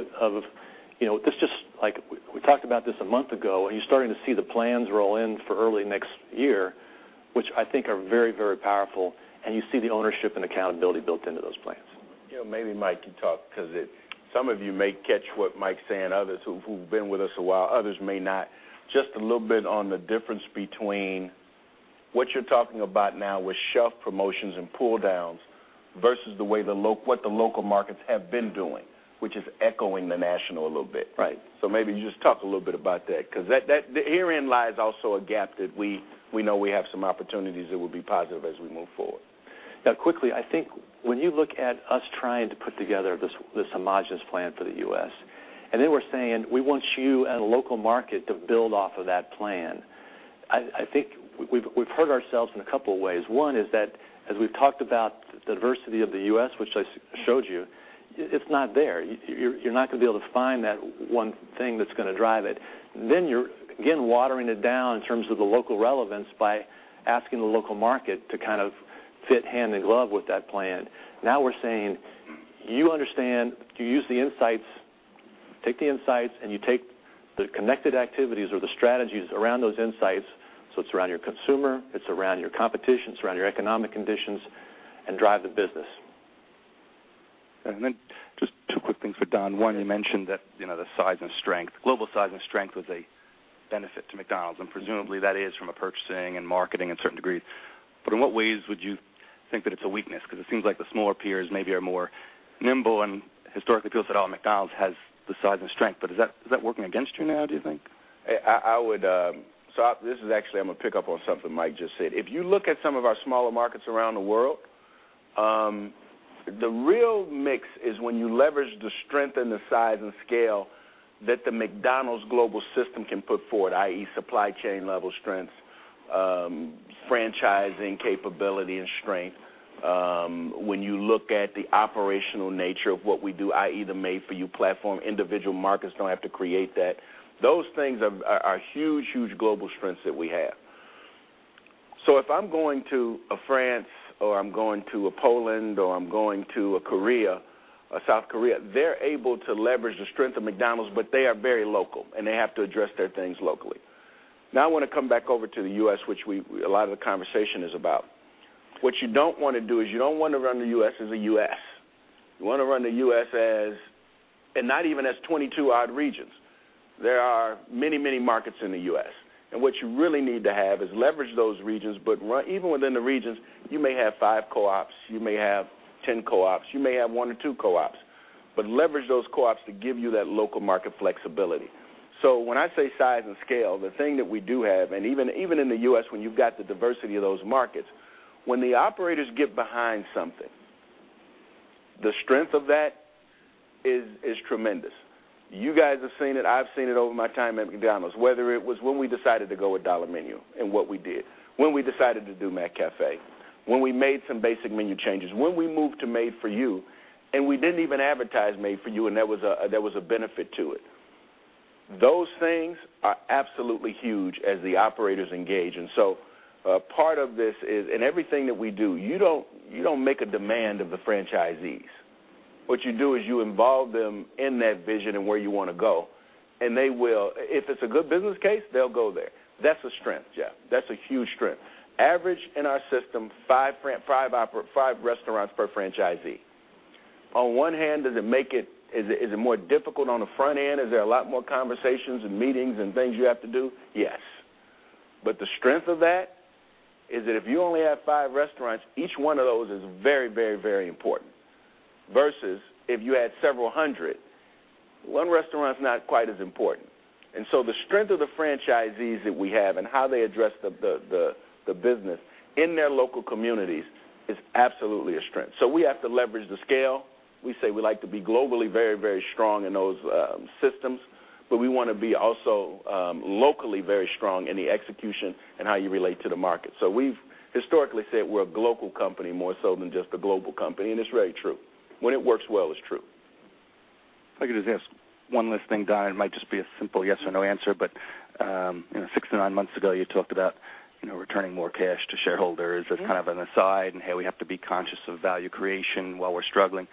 this just like we talked about this a month ago, and you're starting to see the plans roll in for early next year, which I think are very, very powerful, and you see the ownership and accountability built into those plans. Maybe Mike could talk because some of you may catch what Mike's saying, others who've been with us a while, others may not. Just a little bit on the difference between what you're talking about now with shelf promotions and pull-downs versus what the local markets have been doing, which is echoing the national a little bit. Right. Maybe just talk a little bit about that, because herein lies also a gap that we know we have some opportunities that will be positive as we move forward. Quickly, I think when you look at us trying to put together this homogenous plan for the U.S., we're saying, "We want you and a local market to build off of that plan." I think we've hurt ourselves in a couple of ways. One is that as we've talked about the diversity of the U.S., which I showed you, it's not there. You're not going to be able to find that one thing that's going to drive it. You're, again, watering it down in terms of the local relevance by asking the local market to kind of fit hand in glove with that plan. We're saying, "You understand. You use the insights, take the insights, you take the connected activities or the strategies around those insights, it's around your consumer, it's around your competition, it's around your economic conditions, drive the business. Just two quick things for Don. You mentioned that the size and strength, global size and strength was a benefit to McDonald's, presumably that is from a purchasing and marketing in certain degrees. In what ways would you think that it's a weakness? It seems like the smaller peers maybe are more nimble and historically people said, "Oh, McDonald's has the size and strength," is that working against you now, do you think? This is actually I'm going to pick up on something Mike just said. If you look at some of our smaller markets around the world, the real mix is when you leverage the strength and the size and scale that the McDonald's global system can put forward, i.e. supply chain level strengths, franchising capability and strength. When you look at the operational nature of what we do, i.e. the Made For You platform, individual markets don't have to create that. Those things are huge global strengths that we have. If I'm going to a France or I'm going to a Poland or I'm going to a Korea, a South Korea, they're able to leverage the strength of McDonald's, they are very local, they have to address their things locally. I want to come back over to the U.S., which a lot of the conversation is about. What you don't want to do is you don't want to run the U.S. as a U.S. You want to run the U.S. as, and not even as 22 odd regions. There are many, many markets in the U.S., and what you really need to have is leverage those regions, but even within the regions, you may have five co-ops, you may have 10 co-ops, you may have one or two co-ops. Leverage those co-ops to give you that local market flexibility. When I say size and scale, the thing that we do have, and even in the U.S. when you've got the diversity of those markets, when the operators get behind something, the strength of that is tremendous. You guys have seen it. I've seen it over my time at McDonald's, whether it was when we decided to go with Dollar Menu and what we did, when we decided to do McCafé, when we made some basic menu changes, when we moved to Made For You. We didn't even advertise Made For You, and there was a benefit to it. Those things are absolutely huge as the operators engage. Part of this is, in everything that we do, you don't make a demand of the franchisees. What you do is you involve them in that vision and where you want to go, and they will. If it's a good business case, they'll go there. That's a strength, Jeff. That's a huge strength. Average in our system, five restaurants per franchisee. On one hand, is it more difficult on the front end? Is there a lot more conversations and meetings and things you have to do? Yes. The strength of that is that if you only have five restaurants, each one of those is very important versus if you had several hundred. One restaurant is not quite as important. The strength of the franchisees that we have and how they address the business in their local communities is absolutely a strength. We have to leverage the scale. We say we like to be globally very strong in those systems, but we want to be also locally very strong in the execution and how you relate to the market. We've historically said we're a global company more so than just a global company, and it's very true. When it works well, it's true. If I could just ask one last thing, Don, it might just be a simple yes or no answer, but six to nine months ago, you talked about returning more cash to shareholders as kind of an aside, and, "Hey, we have to be conscious of value creation while we're struggling."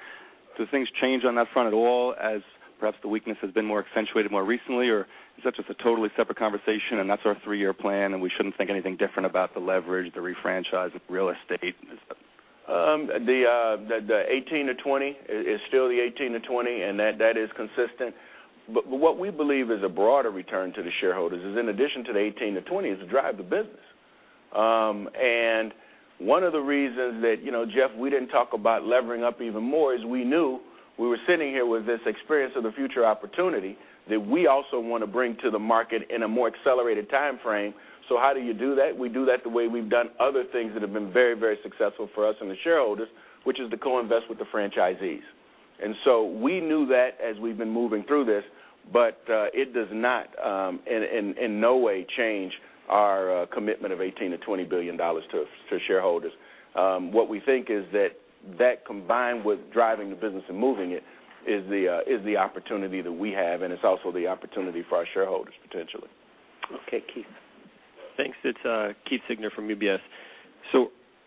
Do things change on that front at all as perhaps the weakness has been more accentuated more recently, or is that just a totally separate conversation and that's our three-year plan and we shouldn't think anything different about the leverage, the refranchise of real estate? The $18 billion to $20 billion is still the $18 billion to $20 billion, that is consistent. What we believe is a broader return to the shareholders is in addition to the $18 billion to $20 billion, is to drive the business. One of the reasons that, Jeff, we didn't talk about levering up even more is we knew we were sitting here with this Experience of the Future opportunity that we also want to bring to the market in a more accelerated timeframe. How do you do that? We do that the way we've done other things that have been very successful for us and the shareholders, which is to co-invest with the franchisees. We knew that as we've been moving through this, but it does not in any way change our commitment of $18 billion to $20 billion to shareholders. What we think is that that combined with driving the business and moving it is the opportunity that we have, and it's also the opportunity for our shareholders, potentially. Okay, Keith. Thanks. It's Keith Siegner from UBS.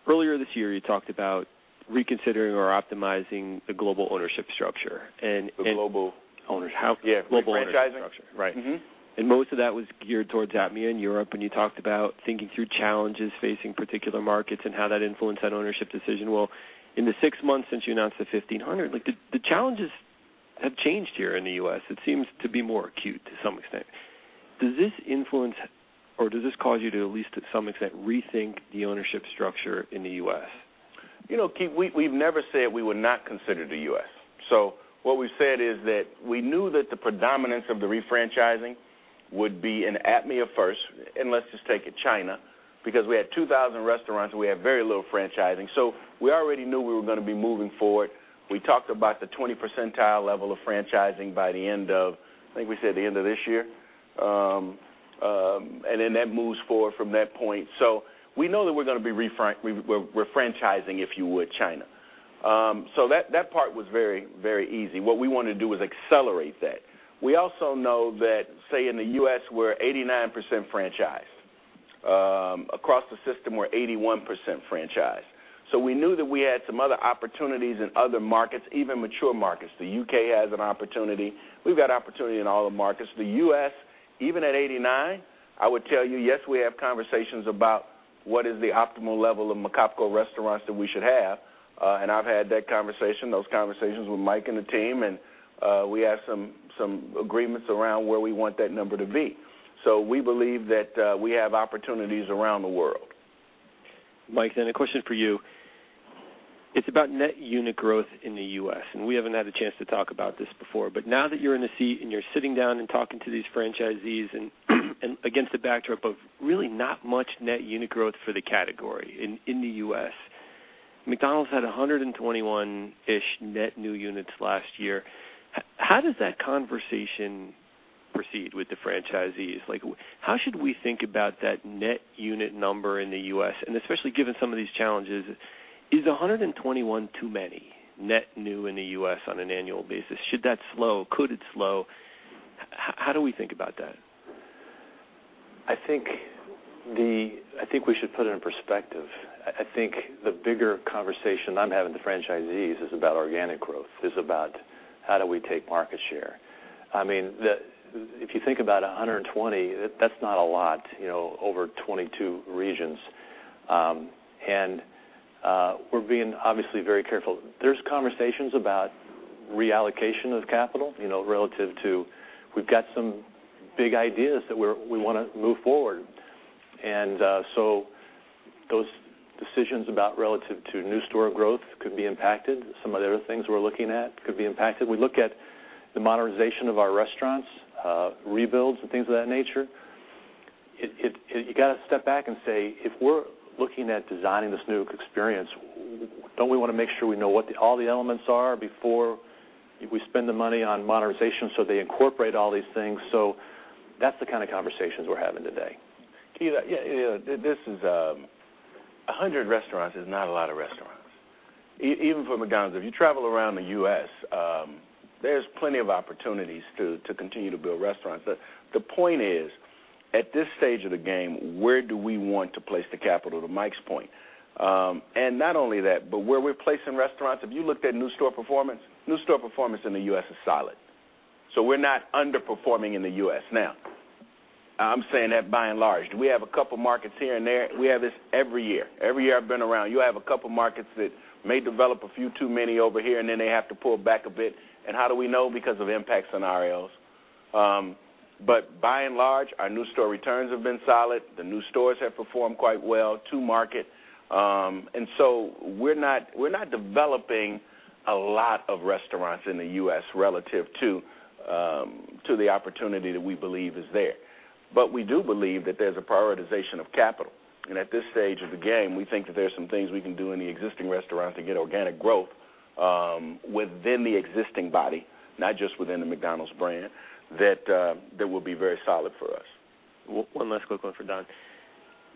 Earlier this year, you talked about reconsidering or optimizing the global ownership structure. The global ownership. How- Yeah, refranchising. Global ownership structure. Right. Most of that was geared towards APMEA and Europe, and you talked about thinking through challenges facing particular markets and how that influenced that ownership decision. Well, in the six months since you announced the 1,500, the challenges have changed here in the U.S. It seems to be more acute to some extent. Does this influence or does this cause you to, at least to some extent, rethink the ownership structure in the U.S.? Keith, we've never said we would not consider the U.S. What we've said is that we knew that the predominance of the refranchising would be in APMEA first, and let's just take it, China, because we had 2,000 restaurants and we had very little franchising. We already knew we were going to be moving forward. We talked about the 20% level of franchising by the end of, I think we said the end of this year. That moves forward from that point. We know that we're going to be refranchising, if you would, China. That part was very easy. What we want to do is accelerate that. We also know that, say, in the U.S., we're 89% franchised. Across the system, we're 81% franchised. We knew that we had some other opportunities in other markets, even mature markets. The U.K. has an opportunity. We've got opportunity in all the markets. The U.S., even at 89, I would tell you, yes, we have conversations about what is the optimal level of McDonald's restaurants that we should have, and I've had those conversations with Mike and the team, and we have some agreements around where we want that number to be. We believe that we have opportunities around the world. Mike, a question for you. It's about net unit growth in the U.S., and we haven't had a chance to talk about this before. Now that you're in the seat and you're sitting down and talking to these franchisees and against the backdrop of really not much net unit growth for the category in the U.S. McDonald's had 121-ish net new units last year. How does that conversation proceed with the franchisees? How should we think about that net unit number in the U.S.? Especially given some of these challenges, is 121 too many net new in the U.S. on an annual basis? Should that slow? Could it slow? How do we think about that? I think we should put it in perspective. I think the bigger conversation I'm having with the franchisees is about organic growth, is about how do we take market share. If you think about 120, that's not a lot over 22 regions. We're being obviously very careful. There's conversations about reallocation of capital, relative to we've got some big ideas that we want to move forward. Those decisions about relative to new store growth could be impacted. Some of the other things we're looking at could be impacted. We look at the modernization of our restaurants, rebuilds and things of that nature. You got to step back and say, if we're looking at designing this new experience, don't we want to make sure we know what all the elements are before we spend the money on modernization so they incorporate all these things? That's the kind of conversations we're having today. 100 restaurants is not a lot of restaurants, even for McDonald's. If you travel around the U.S., there's plenty of opportunities to continue to build restaurants. The point is, at this stage of the game, where do we want to place the capital, to Mike's point? Not only that, but where we're placing restaurants, if you looked at new store performance, new store performance in the U.S. is solid. We're not underperforming in the U.S. Now, I'm saying that by and large. Do we have a couple markets here and there? We have this every year. Every year I've been around, you have a couple markets that may develop a few too many over here, and then they have to pull back a bit. How do we know? Because of impact scenarios. By and large, our new store returns have been solid. The new stores have performed quite well to market. We're not developing a lot of restaurants in the U.S. relative to the opportunity that we believe is there. We do believe that there's a prioritization of capital. At this stage of the game, we think that there's some things we can do in the existing restaurants to get organic growth within the existing body, not just within the McDonald's brand, that will be very solid for us. One last quick one for Don.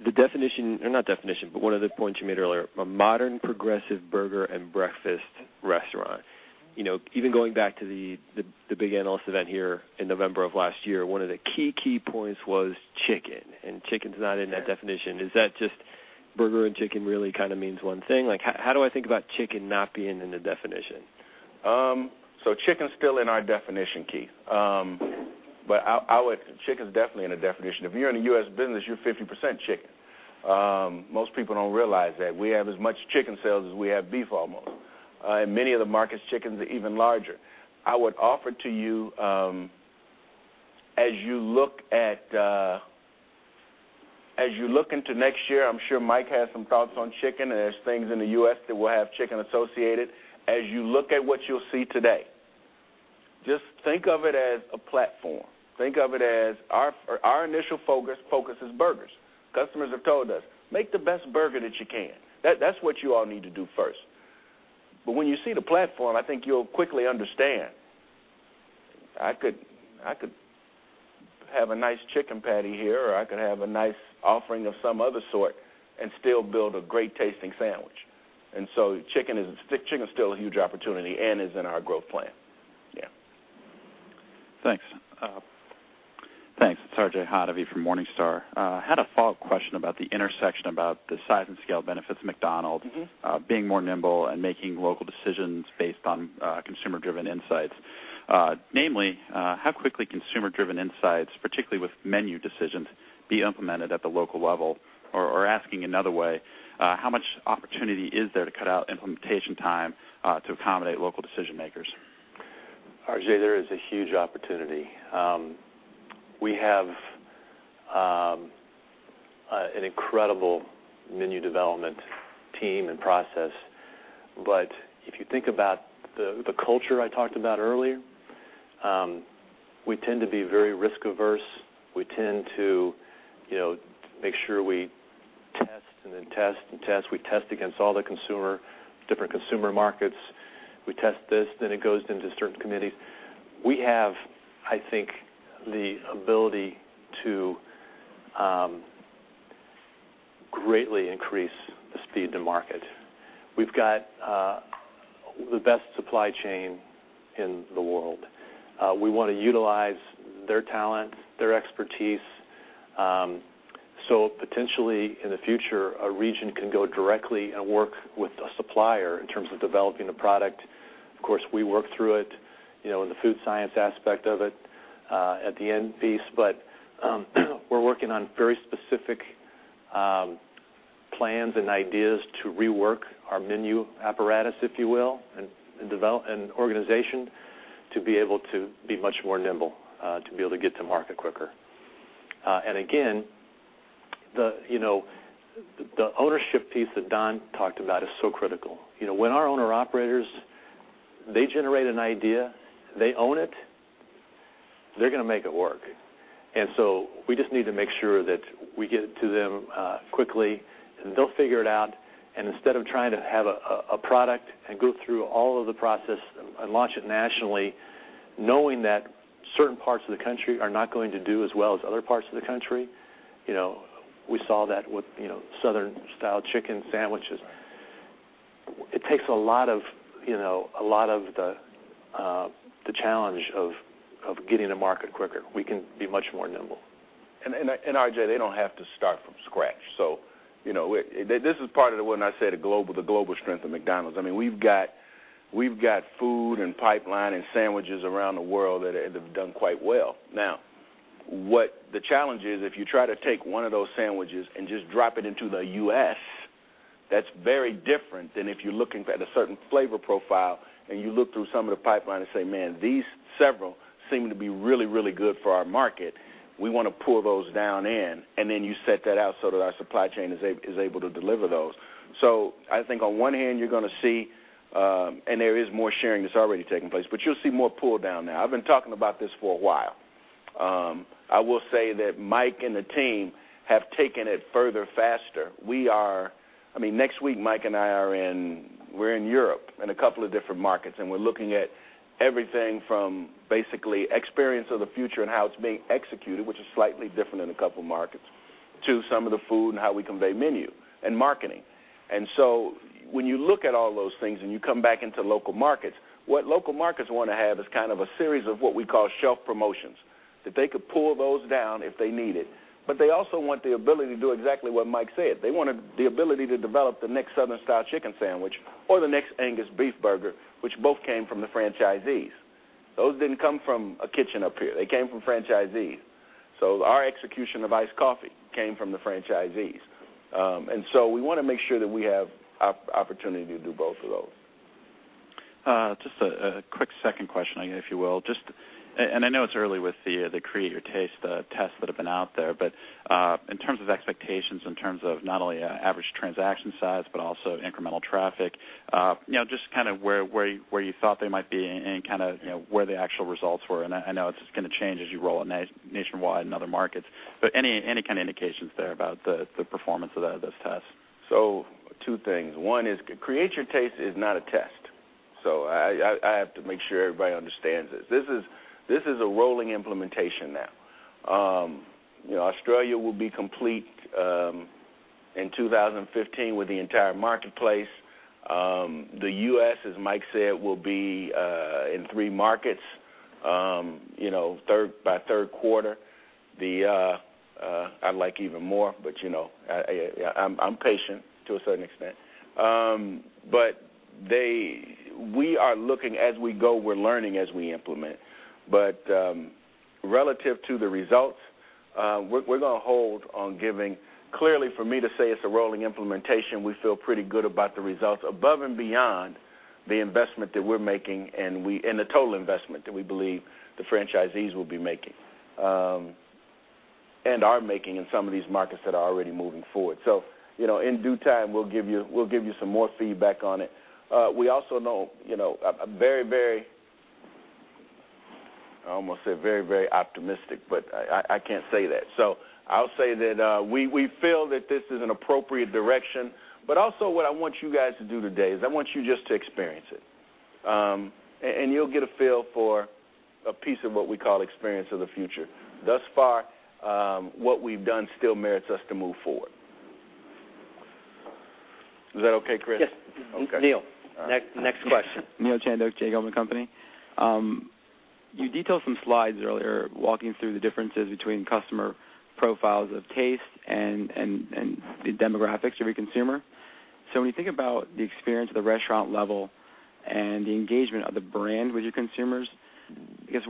The definition, or not definition, one of the points you made earlier, a modern progressive burger and breakfast restaurant. Even going back to the big analyst event here in November of last year, one of the key points was chicken, and chicken's not in that definition. Is that just burger and chicken really kind of means one thing? How do I think about chicken not being in the definition? Chicken's still in our definition, Keith. Chicken's definitely in the definition. If you're in the U.S. business, you're 50% chicken. Most people don't realize that we have as much chicken sales as we have beef almost. In many of the markets, chickens are even larger. I would offer to you, as you look into next year, I'm sure Mike has some thoughts on chicken, and there's things in the U.S. that will have chicken associated. As you look at what you'll see today, just think of it as a platform. Think of it as our initial focus is burgers. Customers have told us, "Make the best burger that you can. That's what you all need to do first." When you see the platform, I think you'll quickly understand I could have a nice chicken patty here, or I could have a nice offering of some other sort and still build a great-tasting sandwich. Chicken is still a huge opportunity and is in our growth plan. Yeah. Thanks. Thanks. It's R.J. Hottovy from Morningstar. I had a follow-up question about the intersection about the size and scale benefits McDonald's- being more nimble and making local decisions based on consumer-driven insights. Namely, how quickly consumer-driven insights, particularly with menu decisions, be implemented at the local level? Asking another way, how much opportunity is there to cut out implementation time to accommodate local decision-makers? RJ, there is a huge opportunity. We have an incredible menu development team and process. If you think about the culture I talked about earlier, we tend to be very risk-averse. We tend to make sure we test and then test and test. We test against all the consumer, different consumer markets. We test this, then it goes into certain committees. We have, I think, the ability to greatly increase the speed to market. We've got the best supply chain in the world. We want to utilize their talent, their expertise. Potentially, in the future, a region can go directly and work with a supplier in terms of developing a product. Of course, we work through it, in the food science aspect of it, at the end piece. We're working on very specific plans and ideas to rework our menu apparatus, if you will, and organization to be able to be much more nimble, to be able to get to market quicker. Again, the ownership piece that Don talked about is so critical. When our owner-operators, they generate an idea, they own it, they're going to make it work. We just need to make sure that we get it to them quickly, and they'll figure it out. Instead of trying to have a product and go through all of the process and launch it nationally, knowing that certain parts of the country are not going to do as well as other parts of the country. We saw that with Southern Style Chicken Sandwiches. It takes a lot of the challenge of getting to market quicker. We can be much more nimble. RJ, they don't have to start from scratch. This is part of when I say the global strength of McDonald's. We've got food and pipeline and sandwiches around the world that have done quite well. Now, what the challenge is, if you try to take one of those sandwiches and just drop it into the U.S., that's very different than if you're looking at a certain flavor profile and you look through some of the pipeline and say, "Man, these several seem to be really good for our market. We want to pull those down in." Then you set that out so that our supply chain is able to deliver those. I think on one hand, you're going to see, and there is more sharing that's already taking place, but you'll see more pull down now. I've been talking about this for a while. I will say that Mike and the team have taken it further faster. Next week, Mike and I are in Europe in a couple of different markets, and we're looking at everything from basically Experience of the Future and how it's being executed, which is slightly different in a couple markets. To some of the food and how we convey menu and marketing. When you look at all those things and you come back into local markets, what local markets want to have is kind of a series of what we call shelf promotions, that they could pull those down if they need it. They also want the ability to do exactly what Mike said. They want the ability to develop the next Southern Style Chicken Sandwich or the next Angus beef burger, which both came from the franchisees. Those didn't come from a kitchen up here. They came from franchisees. Our execution of iced coffee came from the franchisees. We want to make sure that we have opportunity to do both of those. Just a quick second question, if you will. I know it's early with the Create Your Taste tests that have been out there, in terms of expectations, in terms of not only average transaction size but also incremental traffic, just kind of where you thought they might be and kind of where the actual results were. I know it's going to change as you roll out nationwide in other markets, any kind of indications there about the performance of those tests? Two things. One is Create Your Taste is not a test. I have to make sure everybody understands this. This is a rolling implementation now. Australia will be complete in 2015 with the entire marketplace. The U.S., as Mike said, will be in three markets by third quarter. I'd like even more, but I'm patient to a certain extent. We are looking as we go, we're learning as we implement. Relative to the results, we're going to hold on giving Clearly, for me to say it's a rolling implementation, we feel pretty good about the results above and beyond the investment that we're making and the total investment that we believe the franchisees will be making, and are making in some of these markets that are already moving forward. In due time, we'll give you some more feedback on it. We also know, I almost said very, very optimistic, but I can't say that. I'll say that we feel that this is an appropriate direction, but also what I want you guys to do today is I want you just to experience it. You'll get a feel for a piece of what we call Experience of the Future. Thus far, what we've done still merits us to move forward. Is that okay, Chris? Yes. Okay. Neil, next question. Neil Chandok, J. Gold & Company. You detailed some slides earlier walking through the differences between customer profiles of taste and the demographics of your consumer. When you think about the experience at the restaurant level and the engagement of the brand with your consumers, I guess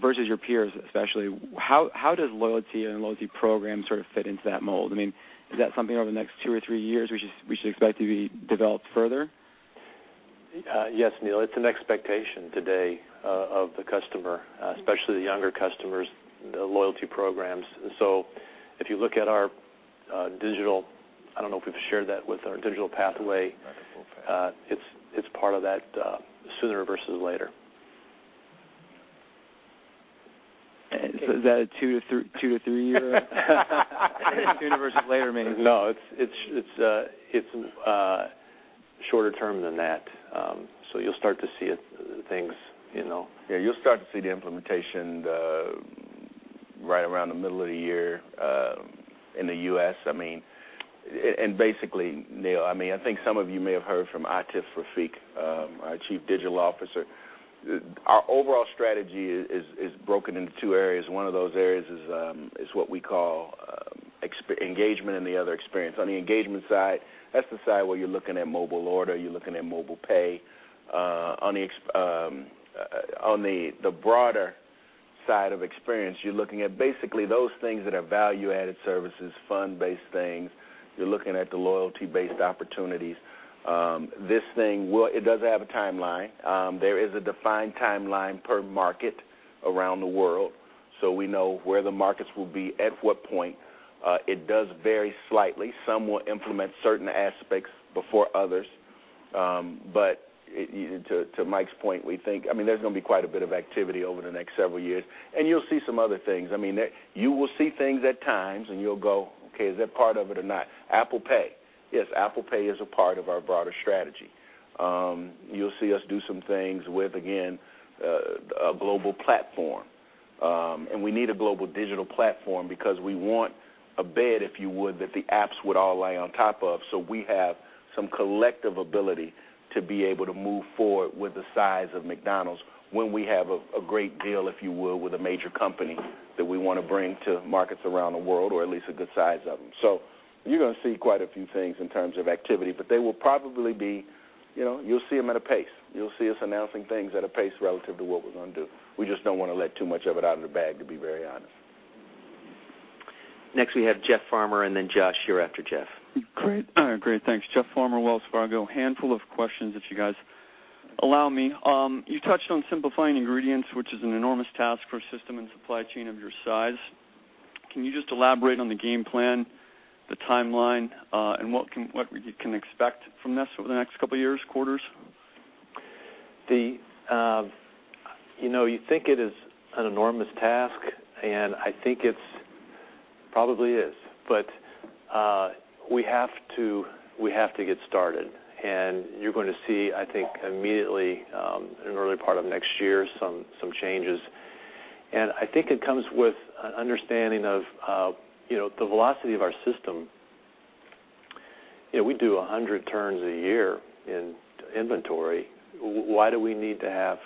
versus your peers, especially, how does loyalty and loyalty programs sort of fit into that mold? I mean, is that something over the next two or three years we should expect to be developed further? Yes, Neil, it's an expectation today of the customer, especially the younger customers, the loyalty programs. If you look at our digital, I don't know if we've shared that with our digital pathway. I think we have. It's part of that sooner versus later. Is that a two to three year? What does sooner versus later mean? No, it's shorter term than that. You'll start to see things. Yeah, you'll start to see the implementation right around the middle of the year in the U.S. Basically, Neil, I think some of you may have heard from Atif Rafiq, our Chief Digital Officer. Our overall strategy is broken into two areas. One of those areas is what we call engagement and the other experience. On the engagement side, that's the side where you're looking at mobile order, you're looking at mobile pay. On the broader side of experience, you're looking at basically those things that are value-added services, fund-based things. You're looking at the loyalty-based opportunities. This thing, it does have a timeline. There is a defined timeline per market around the world, so we know where the markets will be at what point. It does vary slightly. Some will implement certain aspects before others. To Mike's point, there's going to be quite a bit of activity over the next several years, and you'll see some other things. You will see things at times and you'll go, "Okay, is that part of it or not?" Apple Pay. Yes, Apple Pay is a part of our broader strategy. You'll see us do some things with, again, a global platform. We need a global digital platform because we want a bed, if you would, that the apps would all lay on top of. We have some collective ability to be able to move forward with the size of McDonald's when we have a great deal, if you will, with a major company that we want to bring to markets around the world, or at least a good size of them. You're going to see quite a few things in terms of activity, but you'll see them at a pace. You'll see us announcing things at a pace relative to what we're going to do. We just don't want to let too much of it out of the bag, to be very honest. Next we have Jeff Farmer, and then Josh, you're after Jeff. Great. Great, thanks. Jeff Farmer, Wells Fargo. Handful of questions if you guys allow me. You touched on simplifying ingredients, which is an enormous task for a system and supply chain of your size. Can you just elaborate on the game plan, the timeline, and what we can expect from this over the next couple of years, quarters? You think it is an enormous task, and I think it probably is. We have to get started, you're going to see, I think, immediately, in the early part of next year, some changes. I think it comes with an understanding of the velocity of our system. We do 100 turns a year in inventory. Why do we need to have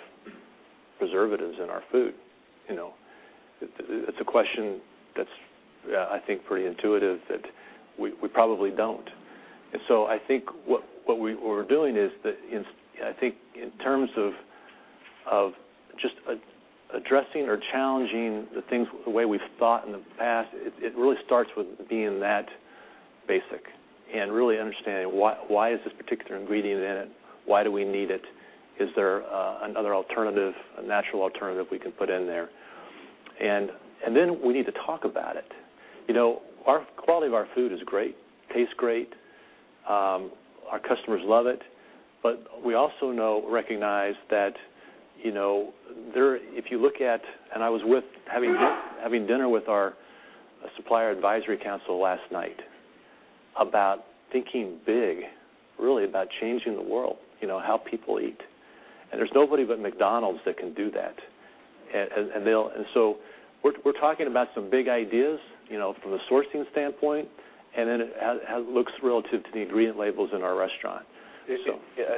preservatives in our food? It's a question that's, I think, pretty intuitive, that we probably don't. I think what we're doing is, I think in terms of just addressing or challenging the things the way we've thought in the past, it really starts with being that basic and really understanding why is this particular ingredient in it? Why do we need it? Is there another alternative, a natural alternative we can put in there? Then we need to talk about it. The quality of our food is great, tastes great. Our customers love it. We also now recognize that if you look at, I was having dinner with our supplier advisory council last night about thinking big, really about changing the world, how people eat. There's nobody but McDonald's that can do that. We're talking about some big ideas from a sourcing standpoint, and then how it looks relative to the ingredient labels in our restaurant. I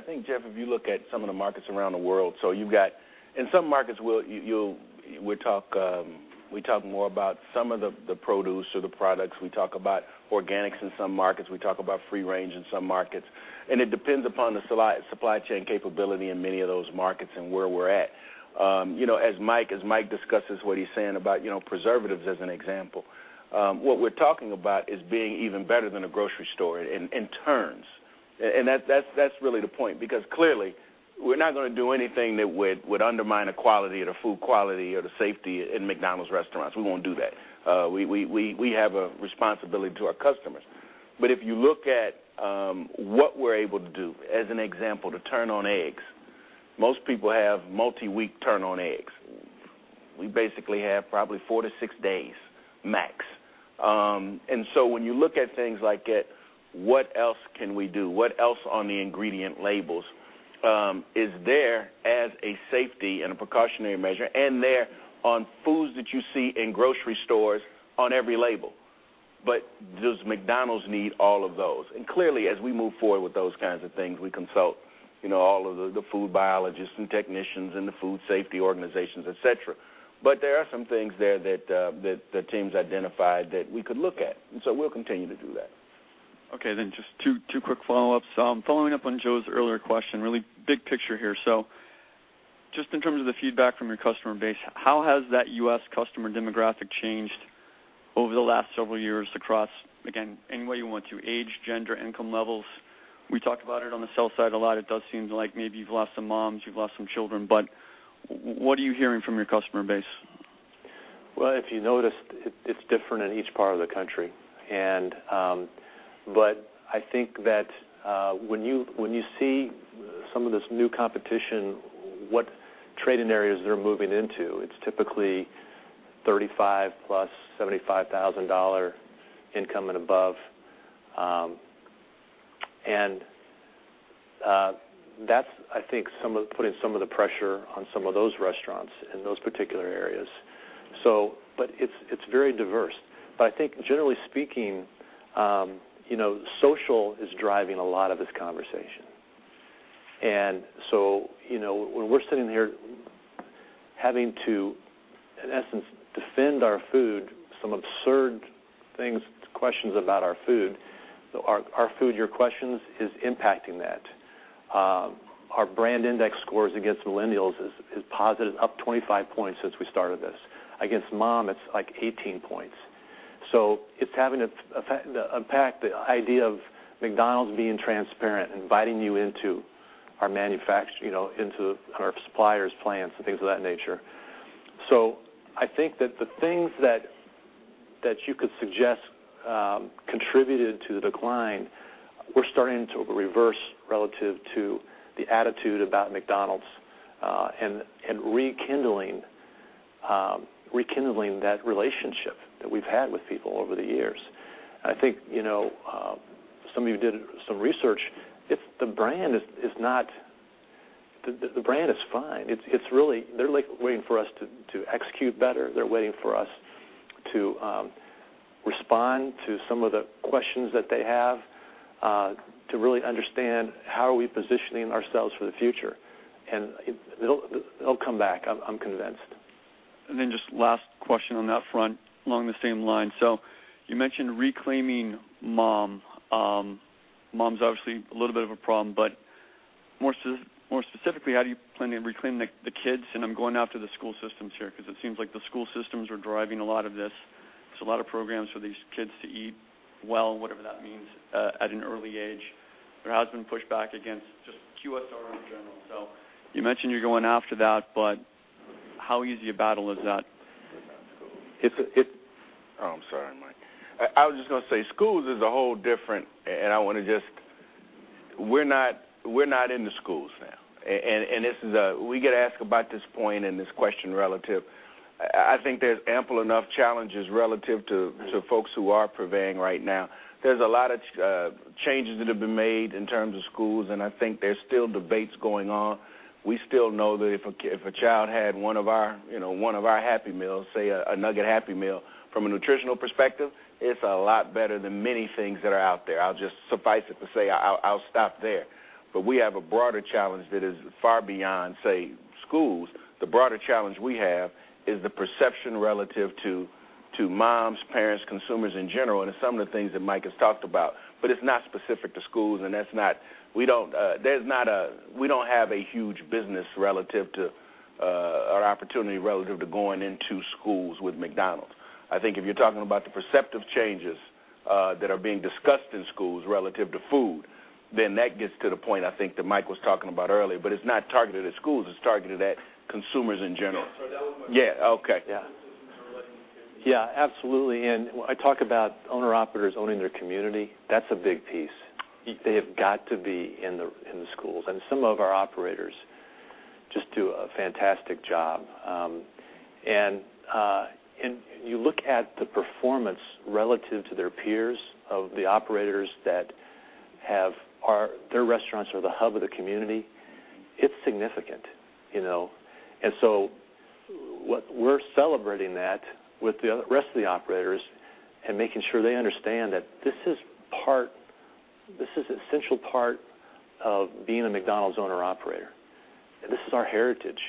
think, Jeff, if you look at some of the markets around the world, in some markets, we talk more about some of the produce or the products. We talk about organics in some markets. We talk about free range in some markets, and it depends upon the supply chain capability in many of those markets and where we're at. As Mike discusses what he's saying about preservatives as an example, what we're talking about is being even better than a grocery store in turns. That's really the point, because clearly, we're not going to do anything that would undermine the quality or the food quality or the safety in McDonald's restaurants. We won't do that. We have a responsibility to our customers. If you look at what we're able to do, as an example, to turn on eggs, most people have multi-week turn on eggs. We basically have probably four to six days max. When you look at things like it, what else can we do? What else on the ingredient labels is there as a safety and a precautionary measure, and they're on foods that you see in grocery stores on every label. Does McDonald's need all of those? Clearly, as we move forward with those kinds of things, we consult all of the food biologists and technicians and the food safety organizations, et cetera. There are some things there that the teams identified that we could look at, we'll continue to do that. Okay, just two quick follow-ups. Following up on Joe's earlier question, really big picture here. Just in terms of the feedback from your customer base, how has that U.S. customer demographic changed over the last several years across, again, any way you want to, age, gender, income levels? We talked about it on the sell side a lot. It does seem like maybe you've lost some moms, you've lost some children, what are you hearing from your customer base? Well, if you noticed, it's different in each part of the country. I think that when you see some of this new competition, what trading areas they're moving into, it's typically 35 plus, $75,000 income and above. That's, I think, putting some of the pressure on some of those restaurants in those particular areas. It's very diverse. I think generally speaking social is driving a lot of this conversation. When we're sitting here having to, in essence, defend our food, some absurd things, questions about our food, Our Food. Your Questions., is impacting that. Our brand index scores against millennials is positive, up 25 points since we started this. Against mom, it's 18 points. It's having to unpack the idea of McDonald's being transparent and inviting you into our suppliers' plants and things of that nature. I think that the things that you could suggest contributed to the decline, we're starting to reverse relative to the attitude about McDonald's, and rekindling that relationship that we've had with people over the years. I think, some of you did some research. The brand is fine. They're waiting for us to execute better. They're waiting for us to respond to some of the questions that they have, to really understand how are we positioning ourselves for the future. It'll come back, I'm convinced. Just last question on that front, along the same line. You mentioned reclaiming mom. Mom's obviously a little bit of a problem, but more specifically, how do you plan to reclaim the kids? I'm going after the school systems here because it seems like the school systems are driving a lot of this. There's a lot of programs for these kids to eat well, whatever that means, at an early age. There has been pushback against just QSR in general. You mentioned you're going after that, but how easy a battle is that? Oh, I'm sorry, Mike. I was just going to say, schools is a whole different. We're not in the schools now. We get asked about this point and this question relative. I think there's ample enough challenges relative to folks who are prevailing right now. There's a lot of changes that have been made in terms of schools, and I think there's still debates going on. We still know that if a child had one of our Happy Meal, say, a Nugget Happy Meal, from a nutritional perspective, it's a lot better than many things that are out there. I'll just suffice it to say, I'll stop there. We have a broader challenge that is far beyond, say, schools. The broader challenge we have is the perception relative to moms, parents, consumers in general, and some of the things that Mike has talked about. It's not specific to schools. We don't have a huge business or opportunity relative to going into schools with McDonald's. I think if you're talking about the perceptive changes that are being discussed in schools relative to food, then that gets to the point, I think, that Mike was talking about earlier. It's not targeted at schools, it's targeted at consumers in general. Yeah. That was my- Yeah. Okay. Yeah. Yeah, absolutely. When I talk about owner-operators owning their community, that's a big piece. They have got to be in the schools. Some of our operators just do a fantastic job. You look at the performance relative to their peers of the operators that their restaurants are the hub of the community, it's significant. We're celebrating that with the rest of the operators and making sure they understand that this is an essential part of being a McDonald's owner-operator. This is our heritage,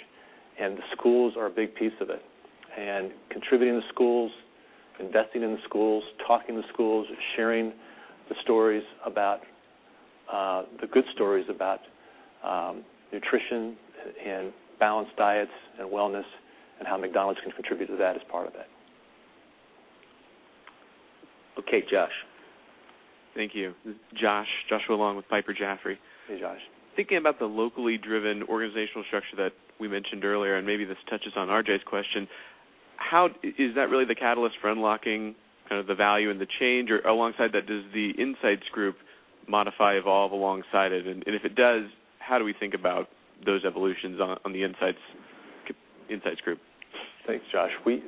and the schools are a big piece of it. Contributing to schools, investing in the schools, talking to schools, and sharing the good stories about nutrition and balanced diets and wellness and how McDonald's can contribute to that is part of it. Okay, Josh. Thank you. This is Josh. Joshua Long with Piper Jaffray. Hey, Josh. Thinking about the locally driven organizational structure that we mentioned earlier, maybe this touches on RJ's question, is that really the catalyst for unlocking kind of the value and the change? Alongside that, does the insights group modify, evolve alongside it? If it does, how do we think about those evolutions on the insights group? Thanks, Josh. We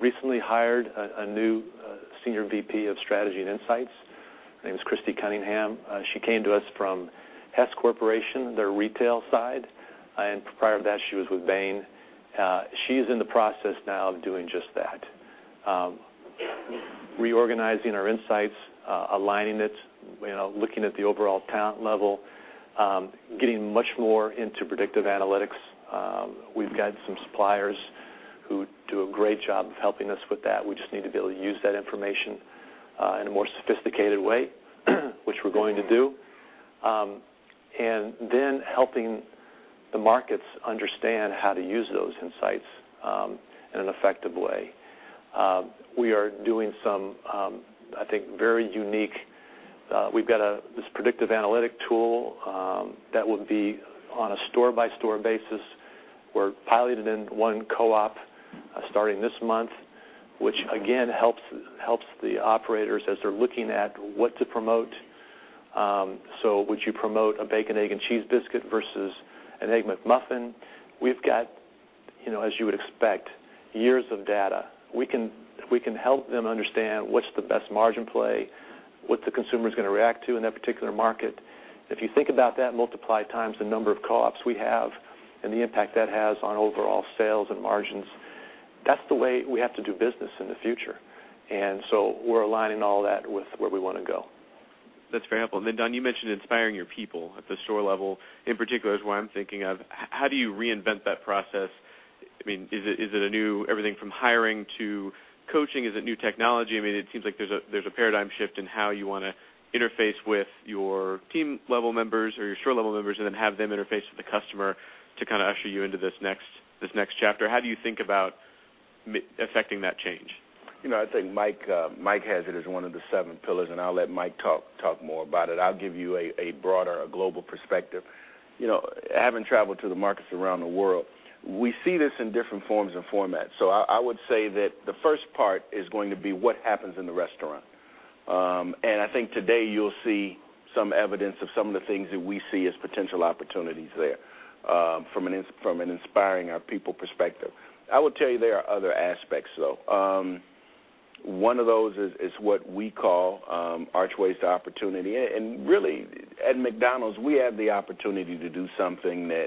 recently hired a new Senior VP of Strategy and Insights. Her name is Kristy Cunningham. She came to us from Hess Corporation, their retail side. Prior to that, she was with Bain. She's in the process now of doing just that. Reorganizing our insights, aligning it, looking at the overall talent level, getting much more into predictive analytics. We've got some suppliers who do a great job of helping us with that. We just need to be able to use that information in a more sophisticated way, which we're going to do. Then helping the markets understand how to use those insights in an effective way. We've got this predictive analytic tool that would be on a store-by-store basis. We're piloted in one co-op starting this month, which again, helps the operators as they're looking at what to promote. Would you promote a bacon, egg, and cheese biscuit versus an Egg McMuffin? We've got, as you would expect, years of data. We can help them understand what's the best margin play, what the consumer's going to react to in that particular market. If you think about that, multiply times the number of co-ops we have and the impact that has on overall sales and margins, that's the way we have to do business in the future. We're aligning all that with where we want to go. That's very helpful. Don, you mentioned inspiring your people at the store level in particular, is what I'm thinking of. How do you reinvent that process? Is it everything from hiring to coaching? Is it new technology? It seems like there's a paradigm shift in how you want to interface with your team level members or your store level members, and then have them interface with the customer to kind of usher you into this next chapter. How do you think about effecting that change? I think Mike has it as one of the seven pillars, and I'll let Mike talk more about it. I'll give you a broader, a global perspective. Having traveled to the markets around the world, we see this in different forms and formats. I would say that the first part is going to be what happens in the restaurant. I think today you'll see some evidence of some of the things that we see as potential opportunities there from an inspiring our people perspective. I will tell you there are other aspects, though. One of those is what we call Archways to Opportunity, and really, at McDonald's, we have the opportunity to do something that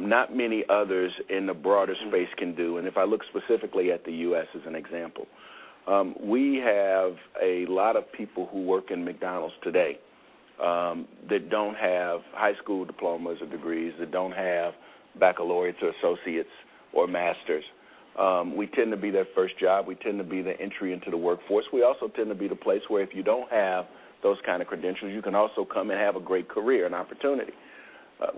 not many others in the broader space can do, and if I look specifically at the U.S. as an example. We have a lot of people who work in McDonald's today that don't have high school diplomas or degrees, that don't have baccalaureates or associates or masters. We tend to be their first job. We tend to be the entry into the workforce. We also tend to be the place where if you don't have those kind of credentials, you can also come and have a great career and opportunity.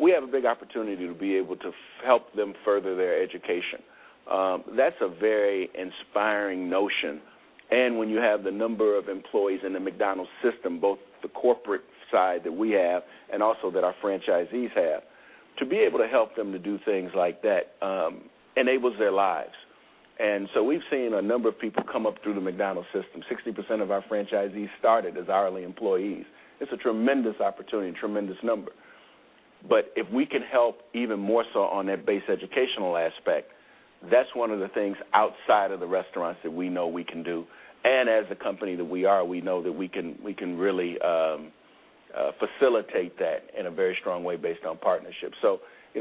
We have a big opportunity to be able to help them further their education. That's a very inspiring notion. When you have the number of employees in the McDonald's system, both the corporate side that we have and also that our franchisees have, to be able to help them to do things like that enables their lives. We've seen a number of people come up through the McDonald's system. 60% of our franchisees started as hourly employees. It's a tremendous opportunity and tremendous number. If we can help even more so on that base educational aspect, that's one of the things outside of the restaurants that we know we can do. As the company that we are, we know that we can really facilitate that in a very strong way based on partnerships.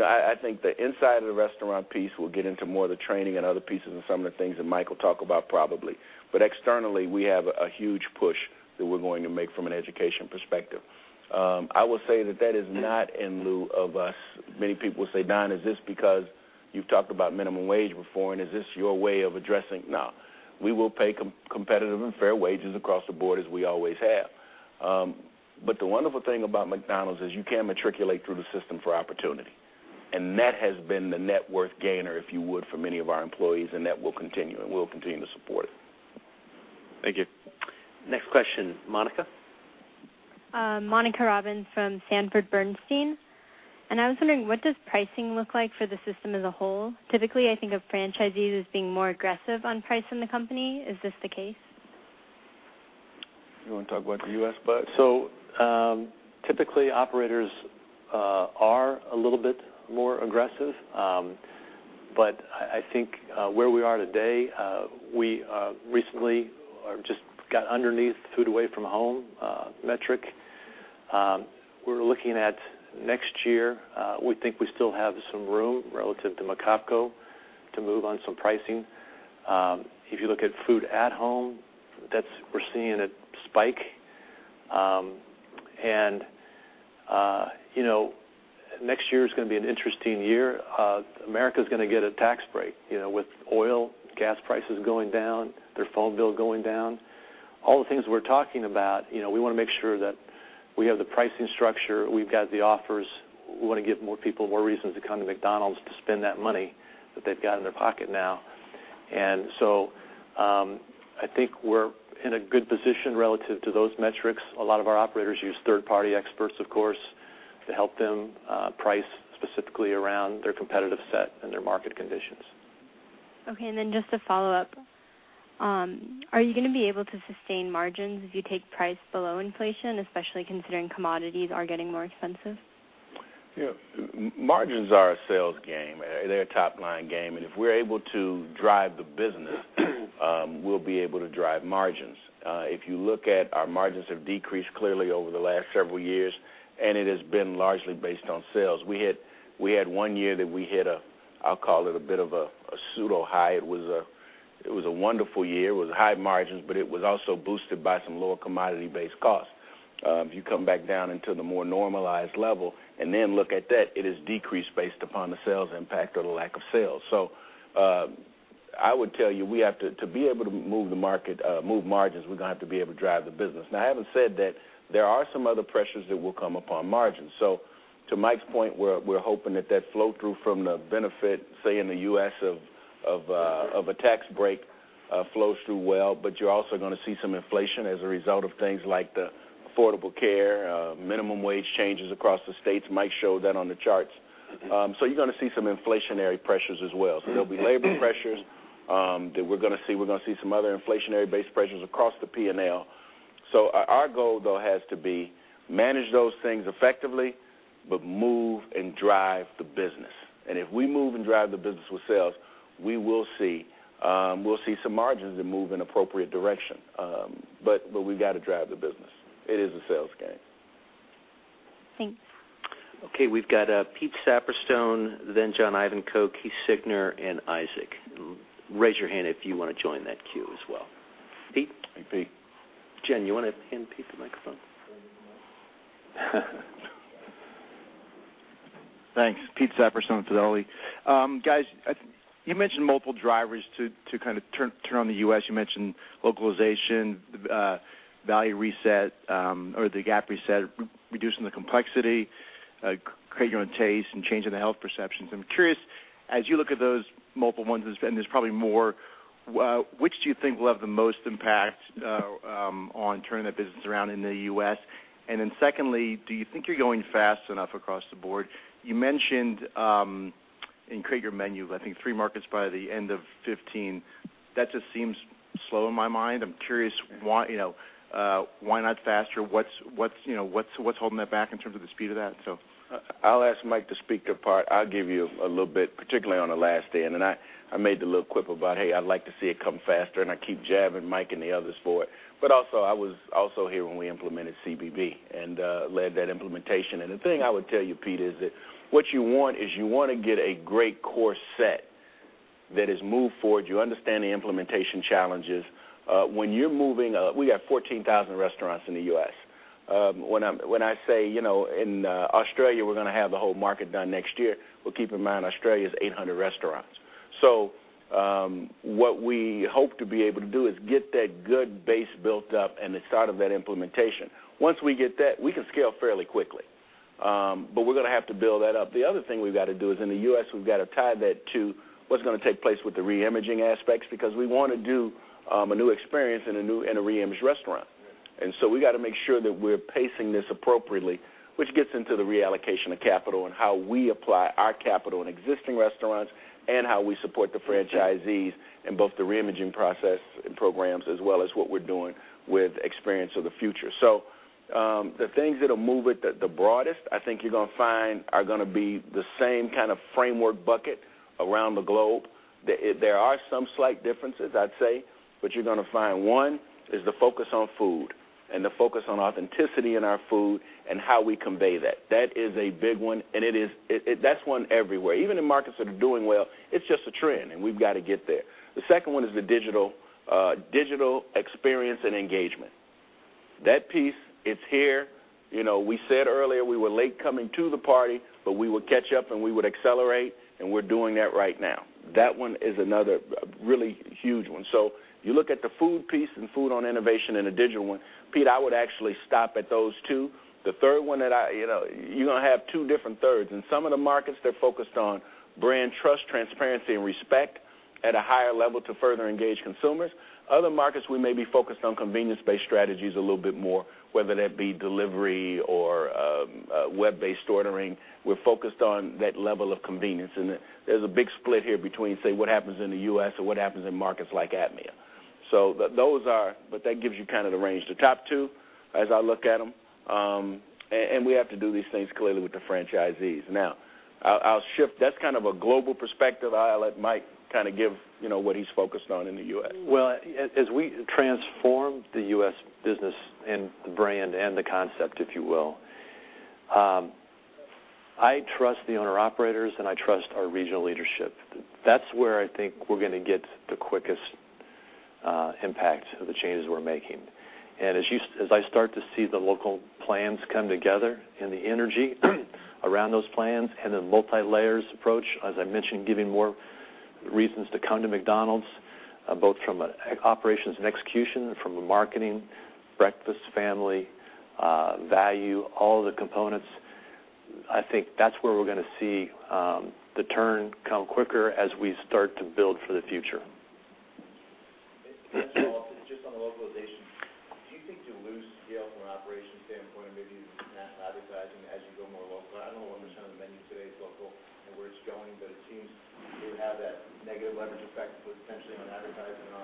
I think the inside of the restaurant piece, we'll get into more of the training and other pieces and some of the things that Mike will talk about probably. Externally, we have a huge push that we're going to make from an education perspective. I will say that that is not in lieu of us-- Many people say, "Don, is this because you've talked about minimum wage before, and is this your way of addressing?" No. We will pay competitive and fair wages across the board, as we always have. The wonderful thing about McDonald's is you can matriculate through the system for opportunity, and that has been the net worth gainer, if you would, for many of our employees, and that will continue, and we'll continue to support it. Thank you. Next question, Monica. Sara Senatore from Sanford C. Bernstein. I was wondering, what does pricing look like for the system as a whole? Typically, I think of franchisees as being more aggressive on pricing than the company. Is this the case? You want to talk about the U.S., bud? Typically, operators are a little bit more aggressive. I think where we are today, we recently just got underneath the food-away-from-home metric. We're looking at next year. We think we still have some room relative to macro data to move on some pricing. If you look at food at home, we're seeing it spike. Next year is going to be an interesting year. America's going to get a tax break. With oil, gas prices going down, their phone bill going down, all the things we're talking about, we want to make sure that we have the pricing structure, we've got the offers. We want to give more people more reasons to come to McDonald's to spend that money that they've got in their pocket now. I think we're in a good position relative to those metrics. A lot of our operators use third-party experts, of course, to help them price specifically around their competitive set and their market conditions. Okay, just a follow-up. Are you going to be able to sustain margins if you take price below inflation, especially considering commodities are getting more expensive? Yeah. Margins are a sales game. They're a top-line game. If we're able to drive the business, we'll be able to drive margins. If you look at our margins have decreased clearly over the last several years, it has been largely based on sales. We had one year that we hit a, I'll call it a bit of a pseudo high. It was a wonderful year. It was high margins, but it was also boosted by some lower commodity-based costs. If you come back down into the more normalized level, look at that, it is decreased based upon the sales impact or the lack of sales. I would tell you, to be able to move margins, we're going to have to be able to drive the business. Having said that, there are some other pressures that will come upon margins. To Mike's point, we're hoping that that flow-through from the benefit, say, in the U.S. of a tax break, flows through well. You're also going to see some inflation as a result of things like the Affordable Care, minimum wage changes across the states. Mike showed that on the charts. You're going to see some inflationary pressures as well. There'll be labor pressures that we're going to see. We're going to see some other inflationary-based pressures across the P&L. Our goal, though, has to be manage those things effectively, but move and drive the business. If we move and drive the business with sales, we'll see some margins that move in appropriate direction. We've got to drive the business. It is a sales game. Thanks. Okay. We've got Peter Saleh, John Ivankoe, Keith Siegner, Isaac. Raise your hand if you want to join that queue as well. Pete? Hey, Pete. Jen, you want to hand Pete the microphone? Sure. Thanks. Pete Saperstone with D.A. Davidson. Guys, you mentioned multiple drivers to kind of turn on the U.S. You mentioned localization, value reset or the gap reset, reducing the complexity, Create Your Own Taste and changing the health perceptions. I'm curious, as you look at those multiple ones, and there's probably more, which do you think will have the most impact on turning that business around in the U.S.? Then secondly, do you think you're going fast enough across the board? You mentioned in Create Your Taste, I think three markets by the end of 2015. That just seems slow in my mind. I'm curious why not faster? What's holding that back in terms of the speed of that? I'll ask Mike to speak to a part. I'll give you a little bit, particularly on the last end. I made the little quip about, "Hey, I'd like to see it come faster." I keep jabbing Mike and the others for it. Also, I was also here when we implemented CBB and led that implementation. The thing I would tell you, Pete, is that what you want is you want to get a great core set that is moved forward. You understand the implementation challenges. We got 14,000 restaurants in the U.S. When I say in Australia, we're going to have the whole market done next year, well, keep in mind, Australia is 800 restaurants. What we hope to be able to do is get that good base built up and the start of that implementation. Once we get that, we can scale fairly quickly. We're going to have to build that up. The other thing we've got to do is in the U.S., we've got to tie that to what's going to take place with the re-imaging aspects because we want to do a new experience in a re-imaged restaurant. We got to make sure that we're pacing this appropriately, which gets into the reallocation of capital and how we apply our capital in existing restaurants and how we support the franchisees in both the re-imaging process and programs, as well as what we're doing with Experience of the Future. The things that'll move it the broadest, I think you're going to find are going to be the same kind of framework bucket around the globe. There are some slight differences, I'd say, you're going to find one is the focus on food and the focus on authenticity in our food and how we convey that. That is a big one, and that's one everywhere. Even in markets that are doing well, it's just a trend, and we've got to get there. The second one is the digital experience and engagement. That piece, it's here. We said earlier we were late coming to the party, we would catch up, and we would accelerate, and we're doing that right now. That one is another really huge one. If you look at the food piece and food on innovation and the digital one, Pete, I would actually stop at those two. The third one that You're going to have two different thirds. In some of the markets, they're focused on brand trust, transparency, and respect at a higher level to further engage consumers. Other markets, we may be focused on convenience-based strategies a little bit more, whether that be delivery or web-based ordering. We're focused on that level of convenience, and there's a big split here between, say, what happens in the U.S. or what happens in markets like APMEA. That gives you kind of the range. The top two, as I look at them, and we have to do these things clearly with the franchisees. Now I'll shift. That's kind of a global perspective. I'll let Mike kind of give what he's focused on in the U.S. Well, as we transformed the U.S. business and the brand and the concept, if you will, I trust the owner-operators, and I trust our regional leadership. That's where I think we're going to get the quickest impact of the changes we're making. As I start to see the local plans come together and the energy around those plans and the multilayers approach, as I mentioned, giving more reasons to come to McDonald's, both from an operations and execution, from a marketing, breakfast, family, value, all the components. I think that's where we're going to see the turn come quicker as we start to build for the future. Just on the localization, do you think you'll lose scale from an operations standpoint and maybe national advertising as you go more local? I know a large percentage of the menu today is local and where it's going, but it seems to have that negative leverage effect potentially on advertising, on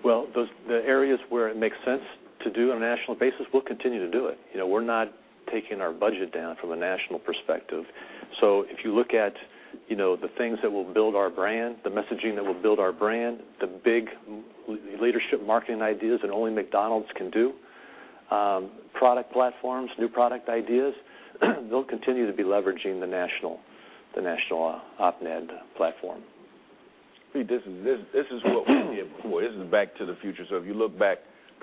operations. The areas where it makes sense to do on a national basis, we'll continue to do it. We're not taking our budget down from a national perspective. If you look at the things that will build our brand, the messaging that will build our brand, the big leadership marketing ideas that only McDonald's can do, product platforms, new product ideas, they'll continue to be leveraging the national OPNAD platform. Pete, this is what we employ. This is back to the future. If you look back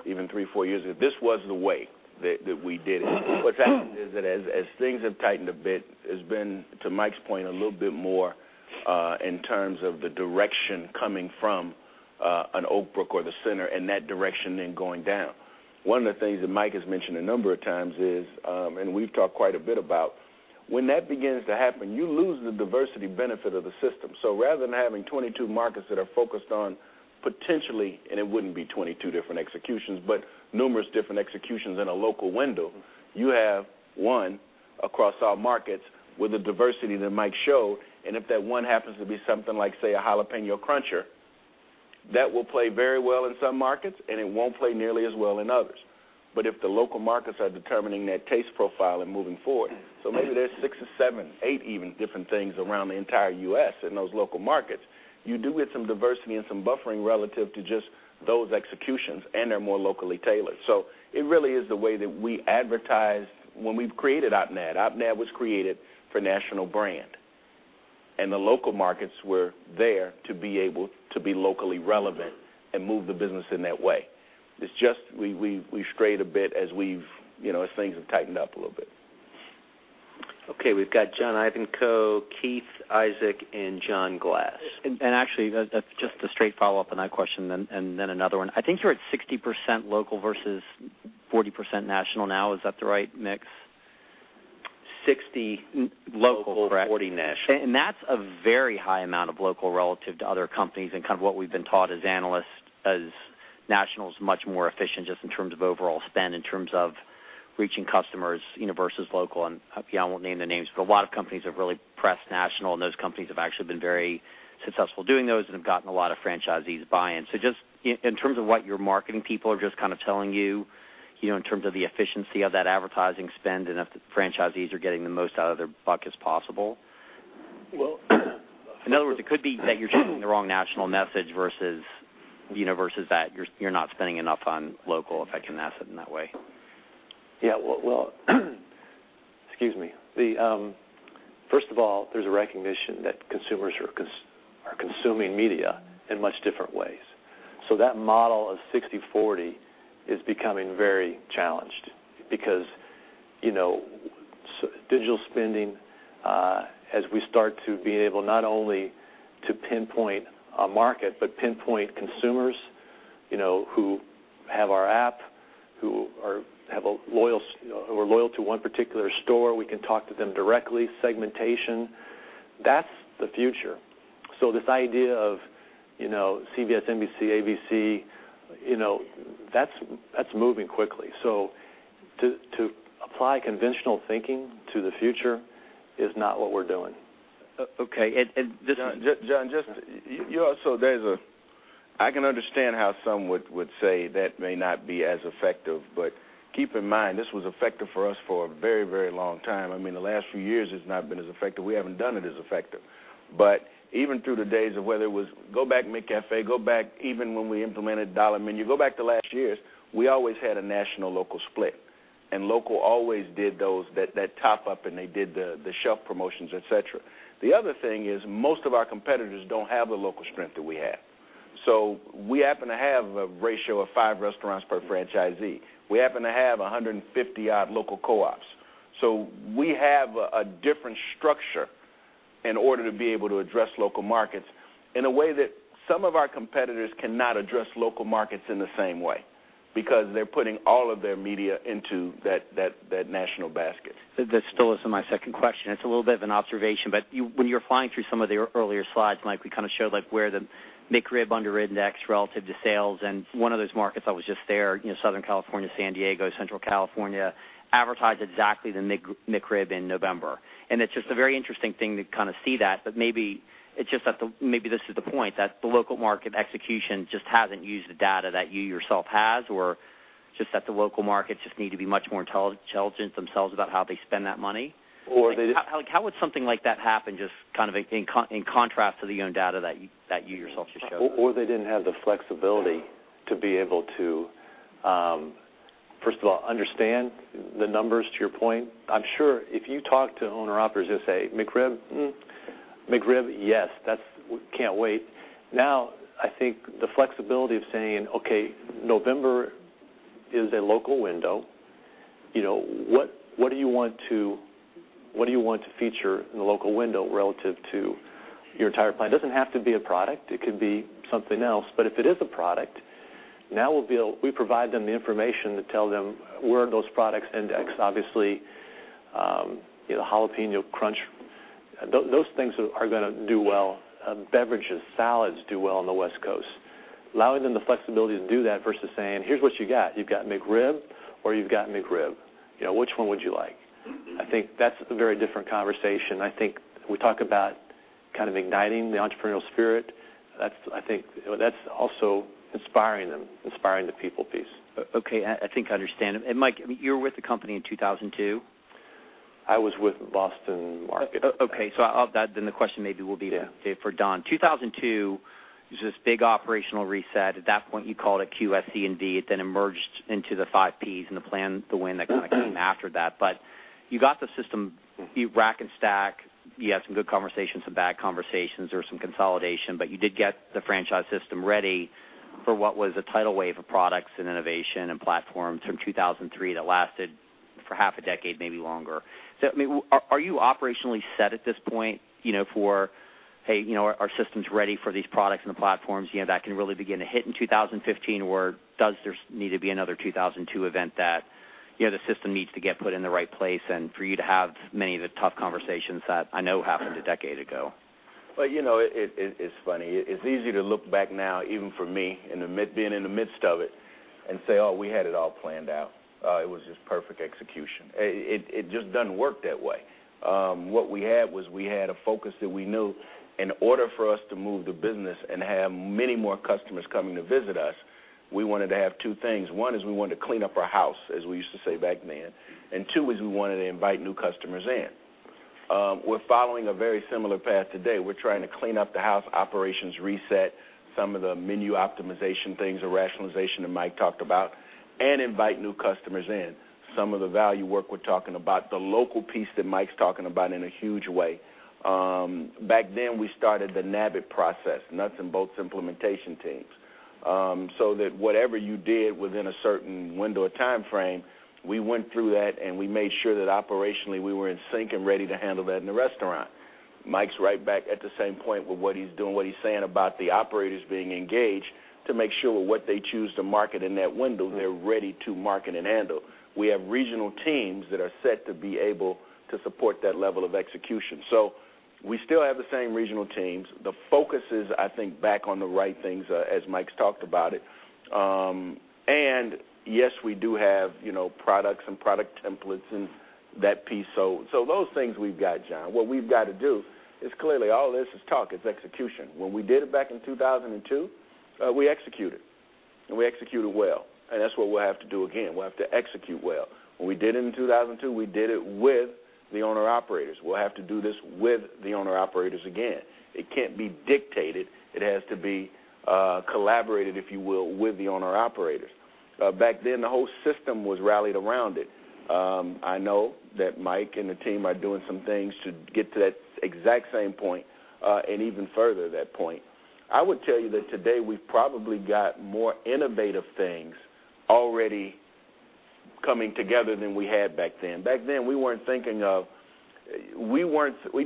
even three, four years ago, this was the way that we did it. What's happened is that as things have tightened a bit, it's been, to Mike's point, a little bit more in terms of the direction coming from an Oak Brook or the center and that direction then going down. One of the things that Mike has mentioned a number of times is, and we've talked quite a bit about, when that begins to happen, you lose the diversity benefit of the system. Rather than having 22 markets that are focused on potentially, and it wouldn't be 22 different executions, but numerous different executions in a local window, you have one across all markets with the diversity that Mike showed. If that one happens to be something like, say, a Jalapeño Double, that will play very well in some markets, and it won't play nearly as well in others. If the local markets are determining that taste profile and moving forward, so maybe there's six or seven, eight even, different things around the entire U.S. in those local markets. You do get some diversity and some buffering relative to just those executions, and they're more locally tailored. It really is the way that we advertise when we've created OPNAD. OPNAD was created for national brand, and the local markets were there to be able to be locally relevant and move the business in that way. It's just we've strayed a bit as things have tightened up a little bit. Okay, we've got John Ivankoe, Keith, Isaac, and John Glass. Actually, just a straight follow-up on that question, then another one. I think you're at 60% local versus 40% national now. Is that the right mix? 60 local Local, correct 40 national. That's a very high amount of local relative to other companies and kind of what we've been taught as analysts as national is much more efficient just in terms of overall spend, in terms of reaching customers versus local. I won't name the names, but a lot of companies have really pressed national, and those companies have actually been very successful doing those and have gotten a lot of franchisees buy-in. Just in terms of what your marketing people are just kind of telling you in terms of the efficiency of that advertising spend and if the franchisees are getting the most out of their buck as possible. Well. In other words, it could be that you're sending the wrong national message versus that you're not spending enough on local, if I can ask it in that way. Excuse me. First of all, there's a recognition that consumers are consuming media in much different ways. That model of 60/40 is becoming very challenged because digital spending as we start to be able not only to pinpoint a market but pinpoint consumers who have our app, who are loyal to one particular store, we can talk to them directly. Segmentation, that's the future. This idea of CBS, NBC, ABC, that's moving quickly. To apply conventional thinking to the future is not what we're doing. Okay. John, I can understand how some would say that may not be as effective, but keep in mind, this was effective for us for a very long time. The last few years, it's not been as effective. We haven't done it as effective. Even through the days of whether it was go back McCafé, go back even when we implemented Dollar Menu, you go back to last years, we always had a national local split, and local always did that top up, and they did the shelf promotions, et cetera. The other thing is most of our competitors don't have the local strength that we have. We happen to have a ratio of five restaurants per franchisee. We happen to have 150 odd local co-ops. We have a different structure in order to be able to address local markets in a way that some of our competitors cannot address local markets in the same way, because they're putting all of their media into that national basket. This still is in my second question. It's a little bit of an observation, but when you're flying through some of the earlier slides, Mike, we showed where the McRib under index relative to sales, and one of those markets, I was just there, Southern California, San Diego, Central California, advertised exactly the McRib in November. It's just a very interesting thing to see that, but maybe this is the point, that the local market execution just hasn't used the data that you yourself has, or just that the local markets just need to be much more intelligent themselves about how they spend that money. Or they- How would something like that happen, just in contrast to the own data that you yourself just showed? They didn't have the flexibility to be able to, first of all, understand the numbers, to your point. I'm sure if you talk to owner-operators, they'll say, "McRib, mm-mm. McRib, yes. Can't wait." I think the flexibility of saying, okay, November is a local window. What do you want to feature in the local window relative to your entire plan? Doesn't have to be a product, it could be something else. If it is a product, now we provide them the information to tell them where those products index. Obviously, Jalapeño Double, those things are going to do well. Beverages, salads do well on the West Coast. Allowing them the flexibility to do that versus saying, "Here's what you got. You've got McRib, or you've got McRib. Which one would you like?" I think that's a very different conversation. I think we talk about igniting the entrepreneurial spirit. That's also inspiring them, inspiring the people piece. Okay. I think I understand. Mike, you were with the company in 2002? I was with Boston Market at the time. Okay. The question maybe will be. Yeah for Don. 2002 was this big operational reset. At that point, you called it QSC and D. It then emerged into the five Ps and the Plan to Win that came after that. You got the system, you rack and stack, you had some good conversations, some bad conversations, or some consolidation, you did get the franchise system ready for what was a tidal wave of products and innovation and platforms from 2003 that lasted for half a decade, maybe longer. Are you operationally set at this point for, hey, our system's ready for these products and the platforms, that can really begin to hit in 2015? Or does there need to be another 2002 event that the system needs to get put in the right place and for you to have many of the tough conversations that I know happened a decade ago? Well, it's funny. It's easy to look back now, even for me, being in the midst of it, and say, "Oh, we had it all planned out. It was just perfect execution." It just doesn't work that way. What we had was we had a focus that we knew in order for us to move the business and have many more customers coming to visit us, we wanted to have two things. One is we wanted to clean up our house, as we used to say back then, and two is we wanted to invite new customers in. We're following a very similar path today. We're trying to clean up the house, operations reset, some of the menu optimization things or rationalization that Mike talked about, and invite new customers in. Some of the value work we're talking about, the local piece that Mike's talking about in a huge way. Back then, we started the NBIT process, nuts and bolts implementation teams. Whatever you did within a certain window or timeframe, we went through that, and we made sure that operationally, we were in sync and ready to handle that in the restaurant. Mike's right back at the same point with what he's doing, what he's saying about the operators being engaged to make sure what they choose to market in that window, they're ready to market and handle. We have regional teams that are set to be able to support that level of execution. We still have the same regional teams. The focus is, I think, back on the right things, as Mike's talked about it. Yes, we do have products and product templates and that piece. Those things we've got, John. What we've got to do is clearly all this is talk. It's execution. When we did it back in 2002, we executed, and we executed well, and that's what we'll have to do again. We'll have to execute well. When we did it in 2002, we did it with the owner-operators. We'll have to do this with the owner-operators again. It can't be dictated. It has to be collaborated, if you will, with the owner-operators. Back then, the whole system was rallied around it. I know that Mike and the team are doing some things to get to that exact same point, and even further that point. I would tell you that today we've probably got more innovative things already coming together than we had back then. Back then, we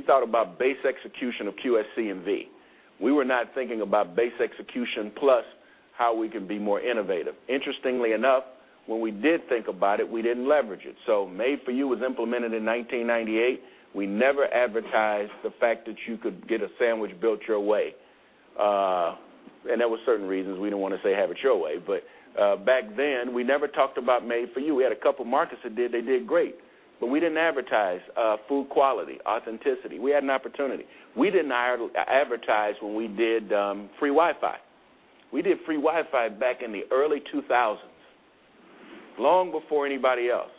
thought about base execution of QSC and V. We were not thinking about base execution plus how we can be more innovative. Interestingly enough, when we did think about it, we didn't leverage it. Made For You was implemented in 1998. We never advertised the fact that you could get a sandwich built your way. There were certain reasons we didn't want to say, "Have it your way." Back then, we never talked about Made For You. We had a couple markets that did, they did great, but we didn't advertise food quality, authenticity. We had an opportunity. We didn't advertise when we did free Wi-Fi. We did free Wi-Fi back in the early 2000s, long before anybody else.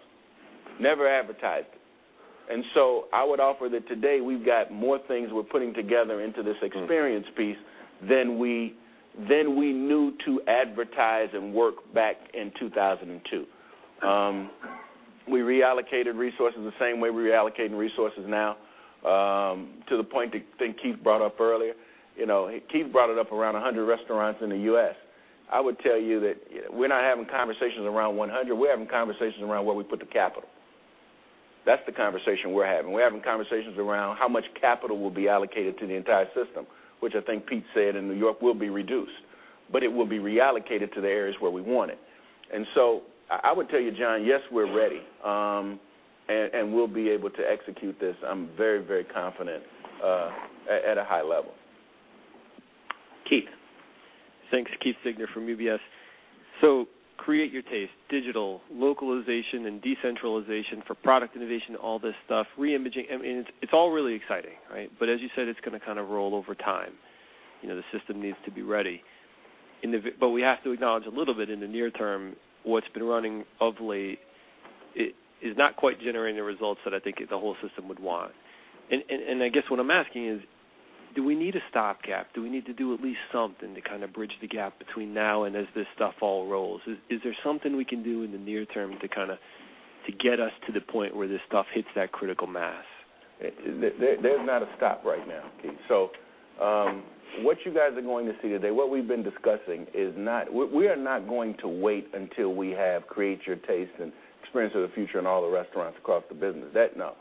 Never advertised it. I would offer that today we've got more things we're putting together into this experience piece than we knew to advertise and work back in 2002. We reallocated resources the same way we're reallocating resources now, to the point that I think Keith brought up earlier. Keith brought it up around 100 restaurants in the U.S. I would tell you that we're not having conversations around 100. We're having conversations around where we put the capital. That's the conversation we're having. We're having conversations around how much capital will be allocated to the entire system, which I think Pete said in New York will be reduced. It will be reallocated to the areas where we want it. I would tell you, John, yes, we're ready, and we'll be able to execute this, I'm very, very confident, at a high level. Keith. Thanks. Keith Siegner from UBS. Create Your Taste, digital, localization, and decentralization for product innovation, all this stuff, re-imaging. It's all really exciting, right? As you said, it's going to roll over time. The system needs to be ready. We have to acknowledge a little bit in the near term, what's been running of late is not quite generating the results that I think the whole system would want. I guess what I'm asking is, do we need a stopgap? Do we need to do at least something to bridge the gap between now and as this stuff all rolls? Is there something we can do in the near term to get us to the point where this stuff hits that critical mass? There's not a stop right now, Keith. What you guys are going to see today, what we've been discussing is we are not going to wait until we have Create Your Taste and Experience of the Future in all the restaurants across the business. That, no.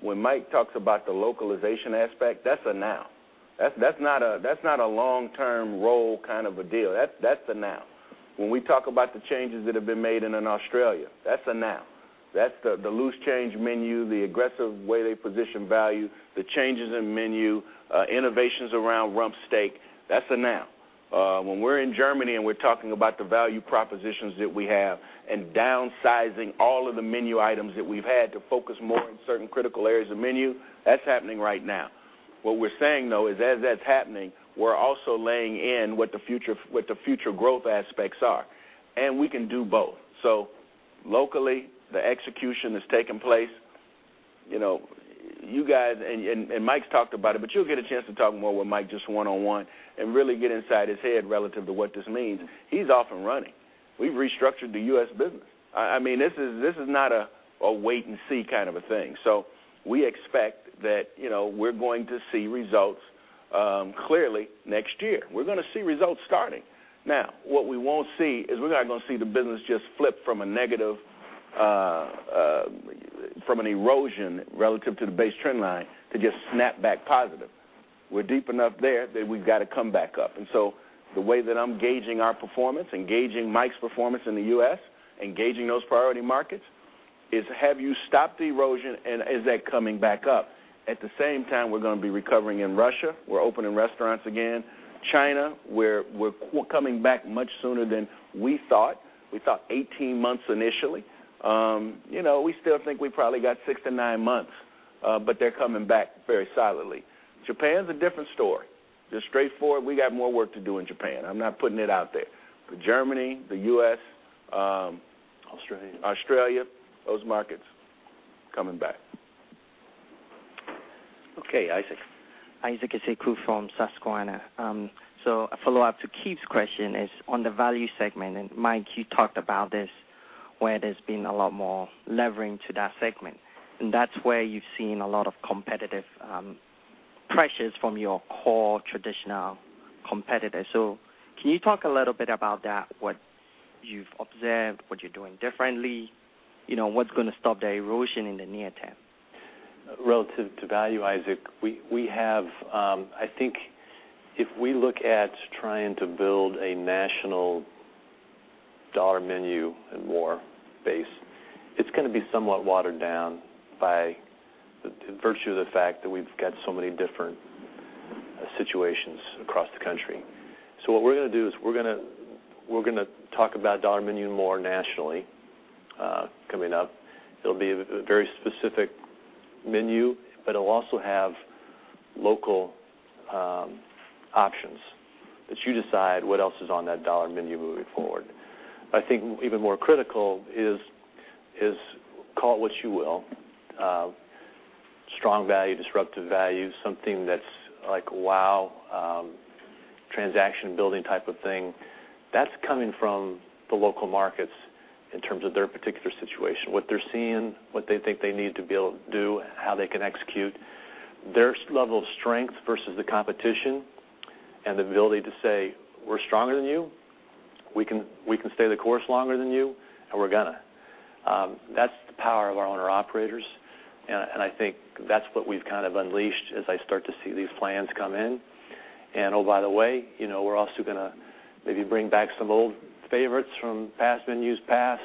When Mike talks about the localization aspect, that's a now. That's not a long-term roll kind of a deal. That's a now. When we talk about the changes that have been made in Australia, that's a now. That's the Loose Change Menu, the aggressive way they position value, the changes in menu, innovations around Rump Steak. That's a now. When we're in Germany and we're talking about the value propositions that we have and downsizing all of the menu items that we've had to focus more on certain critical areas of menu, that's happening right now. What we're saying, though, is as that's happening, we're also laying in what the future growth aspects are, we can do both. Locally, the execution is taking place. You guys, Mike Andres's talked about it, you'll get a chance to talk more with Mike Andres just one-on-one and really get inside his head relative to what this means. He's off and running. We've restructured the U.S. business. This is not a wait-and-see kind of a thing. We expect that we're going to see results clearly next year. We're going to see results starting. Now, what we won't see is we're not going to see the business just flip from an erosion relative to the base trend line to just snap back positive. We're deep enough there that we've got to come back up. The way that I'm gauging our performance and gauging Mike Andres's performance in the U.S. and gauging those priority markets is have you stopped the erosion, is that coming back up? At the same time, we're going to be recovering in Russia. We're opening restaurants again. China, we're coming back much sooner than we thought. We thought 18 months initially. We still think we probably got 6 to 9 months. They're coming back very solidly. Japan's a different story. Just straightforward, we got more work to do in Japan. I'm not putting it out there. Germany, the U.S.- Australia Australia, those markets, coming back. Okay, Isaac. Isaac Esseku from Susquehanna. A follow-up to Keith's question is on the value segment, and Mike, you talked about this, where there's been a lot more levering to that segment, and that's where you've seen a lot of competitive pressures from your core traditional competitors. Can you talk a little bit about that, what you've observed, what you're doing differently? What's going to stop the erosion in the near term? Relative to value, Isaac, I think if we look at trying to build a national Dollar Menu & More base, it's going to be somewhat watered down by virtue of the fact that we've got so many different situations across the country. What we're going to do is we're going to talk about Dollar Menu more nationally coming up. It'll be a very specific menu, but it'll also have local options that you decide what else is on that Dollar Menu moving forward. I think even more critical is, call it what you will, strong value, disruptive value, something that's like wow, transaction-building type of thing. That's coming from the local markets in terms of their particular situation. What they're seeing, what they think they need to be able to do, how they can execute. Their level of strength versus the competition and the ability to say, "We're stronger than you." We can stay the course longer than you, and we're going to. That's the power of our owner operators, I think that's what we've unleashed as I start to see these plans come in. Oh, by the way, we're also going to maybe bring back some old favorites from past menus past.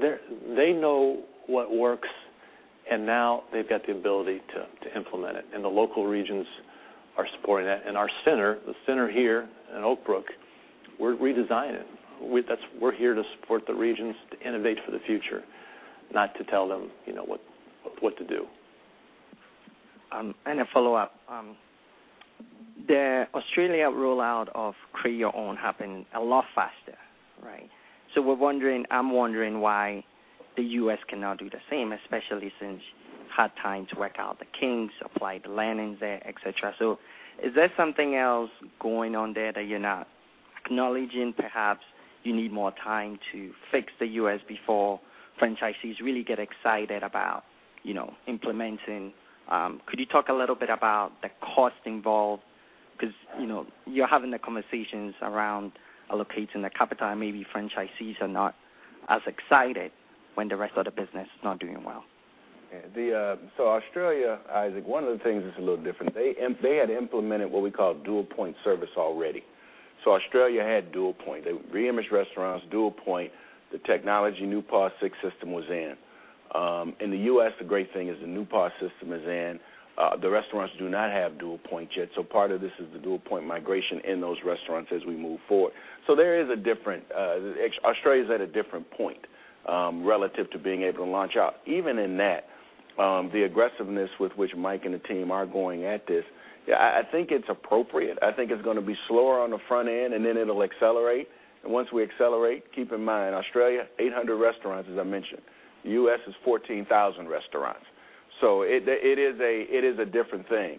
They know what works, and now they've got the ability to implement it, and the local regions are supporting that. Our center, the center here in Oak Brook, we're redesigning it. We're here to support the regions to innovate for the future, not to tell them what to do. A follow-up. The Australia rollout of Create Your Taste happened a lot faster, right? I'm wondering why the U.S. cannot do the same, especially since had time to work out the kinks, apply the learnings there, et cetera. Is there something else going on there that you're not acknowledging? Perhaps you need more time to fix the U.S. before franchisees really get excited about implementing. Could you talk a little bit about the cost involved? Because you're having the conversations around allocating the capital, maybe franchisees are not as excited when the rest of the business is not doing well. Australia, Isaac Esseku, one of the things that's a little different, they had implemented what we call dual point service already. Australia had dual point. They re-imaged restaurants dual point. The technology, new POS system was in. In the U.S., the great thing is the new POS system is in. The restaurants do not have dual point yet. Part of this is the dual point migration in those restaurants as we move forward. Australia's at a different point relative to being able to launch out. Even in that, the aggressiveness with which Mike and the team are going at this, I think it's appropriate. I think it's going to be slower on the front end, and then it'll accelerate. Once we accelerate, keep in mind, Australia, 800 restaurants, as I mentioned. U.S. is 14,000 restaurants. It is a different thing.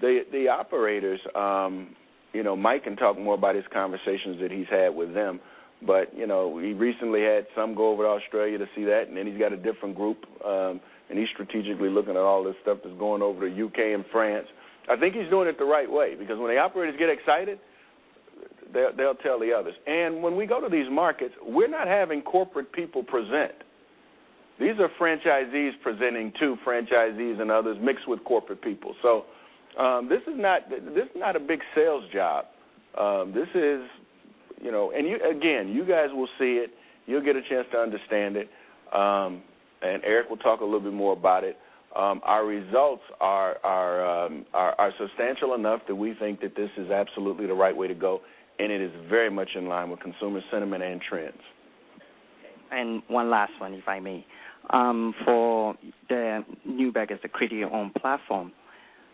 The operators, Mike can talk more about his conversations that he's had with them, but he recently had some go over to Australia to see that. Then he's got a different group, and he's strategically looking at all this stuff that's going over to U.K. and France. I think he's doing it the right way, because when the operators get excited, they'll tell the others. When we go to these markets, we're not having corporate people present. These are franchisees presenting to franchisees and others mixed with corporate people. This is not a big sales job. Again, you guys will see it. You'll get a chance to understand it. Erik Hess will talk a little bit more about it. Our results are substantial enough that we think that this is absolutely the right way to go. It is very much in line with consumer sentiment and trends. One last one, if I may. For the new bag as a Create Your Own platform,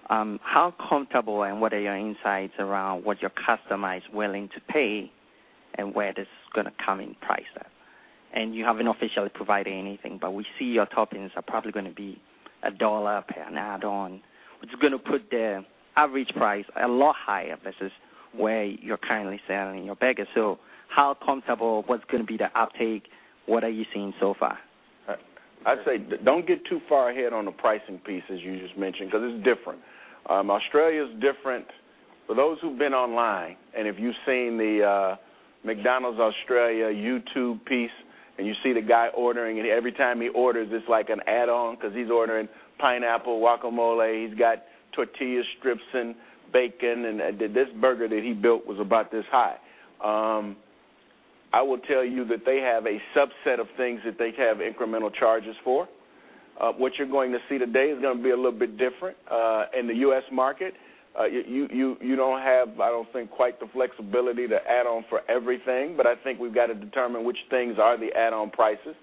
how comfortable and what are your insights around what your customer is willing to pay and where this is going to come in price at? You haven't officially provided anything, but we see your toppings are probably going to be a $1 per an add-on, which is going to put the average price a lot higher versus where you're currently selling your burger. How comfortable, what's going to be the uptake? What are you seeing so far? I'd say don't get too far ahead on the pricing piece as you just mentioned, because it's different. Australia's different. For those who've been online, and if you've seen the McDonald's Australia YouTube piece, and you see the guy ordering, and every time he orders, it's like an add-on because he's ordering pineapple, guacamole, he's got tortilla strips and bacon, and this burger that he built was about this high. I will tell you that they have a subset of things that they have incremental charges for. What you're going to see today is going to be a little bit different. In the U.S. market, you don't have, I don't think, quite the flexibility to add on for everything, I think we've got to determine which things are the add-on prices.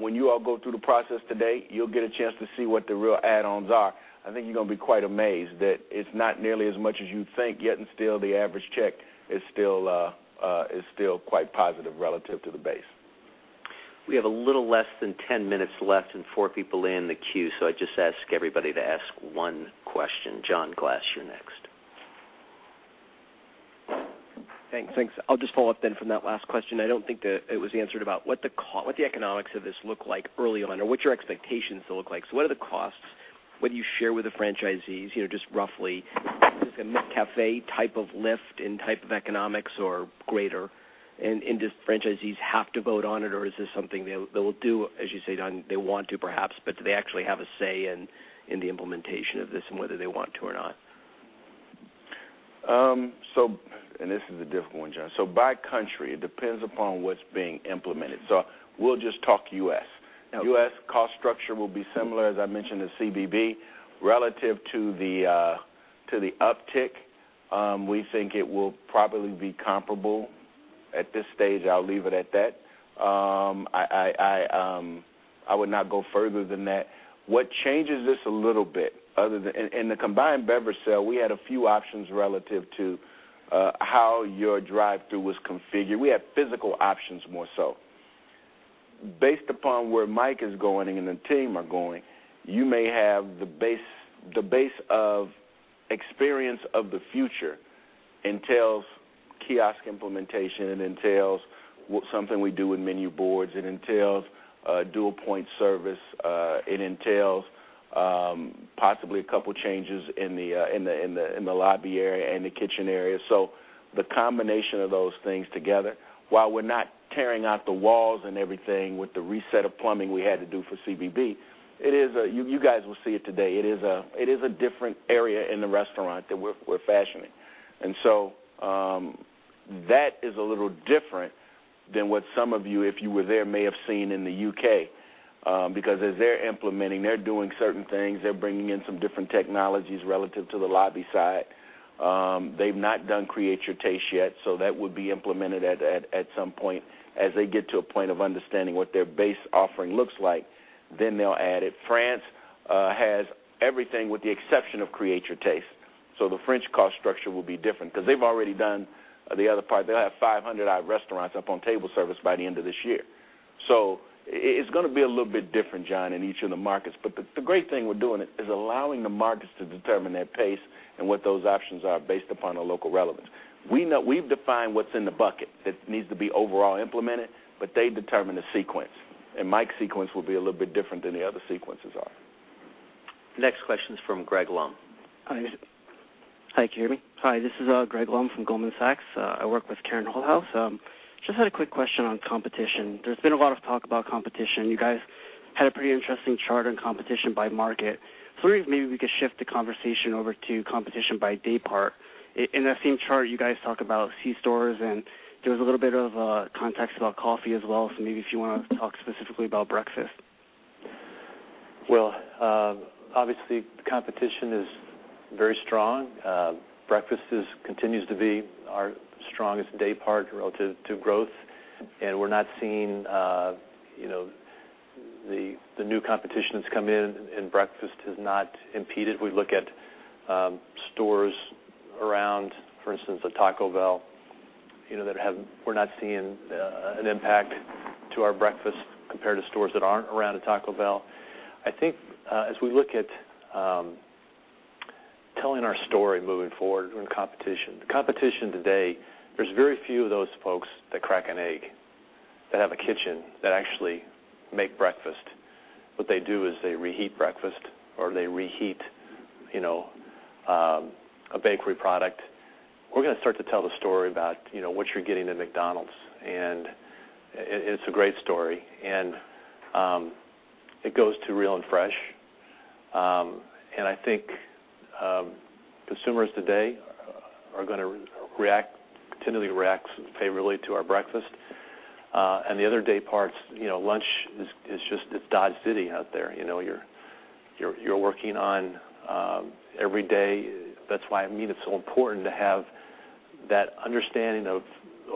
When you all go through the process today, you'll get a chance to see what the real add-ons are. I think you're going to be quite amazed that it's not nearly as much as you'd think, yet and still, the average check is still quite positive relative to the base. We have a little less than 10 minutes left and four people in the queue, I'd just ask everybody to ask one question. John Glass, you're next. Thanks. I'll just follow up then from that last question. I don't think that it was answered about what the economics of this look like early on, or what your expectations look like. What are the costs? What do you share with the franchisees, just roughly? Is this a McCafé type of lift and type of economics or greater? Do franchisees have to vote on it, or is this something they'll do, as you say, Don, they want to perhaps, do they actually have a say in the implementation of this and whether they want to or not? This is a difficult one, John. By country, it depends upon what's being implemented. We'll just talk U.S. Okay. U.S. cost structure will be similar, as I mentioned, to CBB. Relative to the uptick, we think it will probably be comparable. At this stage, I'll leave it at that. I would not go further than that. What changes this a little bit, in the combined beverage sale, we had a few options relative to how your drive-thru was configured. We have physical options, more so. Based upon where Mike is going and the team are going, you may have the base of Experience of the Future entails kiosk implementation, it entails something we do with menu boards, it entails dual point service. It entails Possibly a couple changes in the lobby area and the kitchen area. The combination of those things together, while we're not tearing out the walls and everything with the reset of plumbing we had to do for CBB, you guys will see it today. It is a different area in the restaurant that we're fashioning. That is a little different than what some of you, if you were there, may have seen in the U.K. As they're implementing, they're doing certain things, they're bringing in some different technologies relative to the lobby side. They've not done Create Your Taste yet, that would be implemented at some point. As they get to a point of understanding what their base offering looks like, they'll add it. France has everything with the exception of Create Your Taste. The French cost structure will be different because they've already done the other part. They'll have 500 odd restaurants up on table service by the end of this year. It's going to be a little bit different, John, in each of the markets. The great thing we're doing is allowing the markets to determine their pace and what those options are based upon the local relevance. We've defined what's in the bucket that needs to be overall implemented, but they determine the sequence, and Mike's sequence will be a little bit different than the other sequences are. Next question is from Gregory Lum. Hi. Can you hear me? Hi, this is Gregory Lum from Goldman Sachs. I work with Karen Holthouse. Just had a quick question on competition. There's been a lot of talk about competition. You guys had a pretty interesting chart on competition by market. I was wondering if maybe we could shift the conversation over to competition by day part. In that same chart, you guys talk about C stores, and there was a little bit of context about coffee as well. Maybe if you want to talk specifically about breakfast. Well, obviously, competition is very strong. Breakfast continues to be our strongest day part relative to growth. We're not seeing the new competition that's come in breakfast has not impeded. We look at stores around, for instance, a Taco Bell, we're not seeing an impact to our breakfast compared to stores that aren't around a Taco Bell. I think as we look at telling our story moving forward in competition. The competition today, there's very few of those folks that crack an egg, that have a kitchen, that actually make breakfast. What they do is they reheat breakfast or they reheat a bakery product. We're going to start to tell the story about what you're getting at McDonald's, and it's a great story. It goes to real and fresh. I think consumers today are going to continually react favorably to our breakfast. The other day parts, lunch is just, it's Dodge City out there. You're working on every day. That's why it's so important to have that understanding of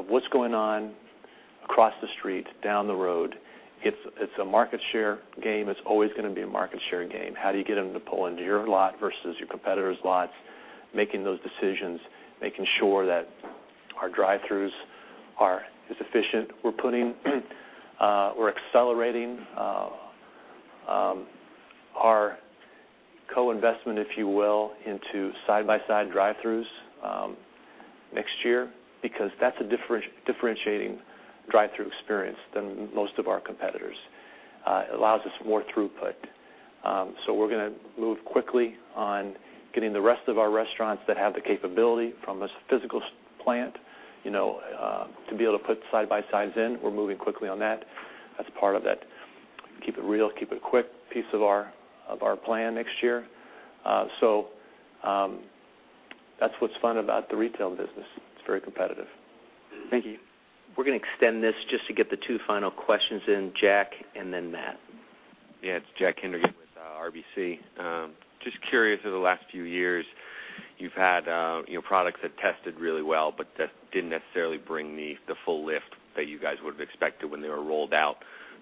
what's going on across the street, down the road. It's a market share game. It's always going to be a market share game. How do you get them to pull into your lot versus your competitor's lots? Making those decisions, making sure that our drive-throughs are as efficient. We're accelerating our co-investment, if you will, into side-by-side drive-throughs next year because that's a differentiating drive-through experience than most of our competitors. It allows us more throughput. We're going to move quickly on getting the rest of our restaurants that have the capability from a physical plant, to be able to put side-by-sides in. We're moving quickly on that as part of that Keep It Real, Keep It Quick piece of our plan next year. That's what's fun about the retail business. It's very competitive. Thank you. We're going to extend this just to get the two final questions in. Jack and then Matt. It's Jack Hendigan with RBC. Just curious, over the last few years, you've had products that tested really well, but that didn't necessarily bring the full lift that you guys would have expected when they were rolled out.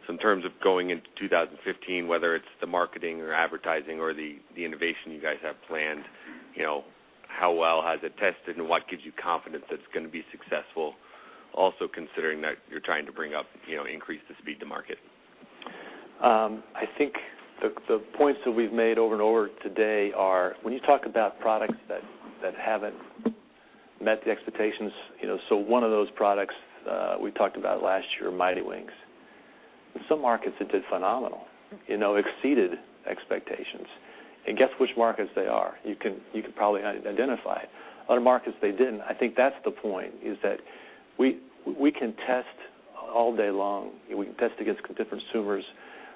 In terms of going into 2015, whether it's the marketing or advertising or the innovation you guys have planned, how well has it tested and what gives you confidence that it's going to be successful? Also considering that you're trying to increase the speed to market. I think the points that we've made over and over today are when you talk about products that haven't met the expectations, one of those products we talked about last year, Mighty Wings. In some markets it did phenomenal, exceeded expectations. Guess which markets they are? You can probably identify. Other markets, they didn't. I think that's the point, is that we can test all day long. We can test against different consumers.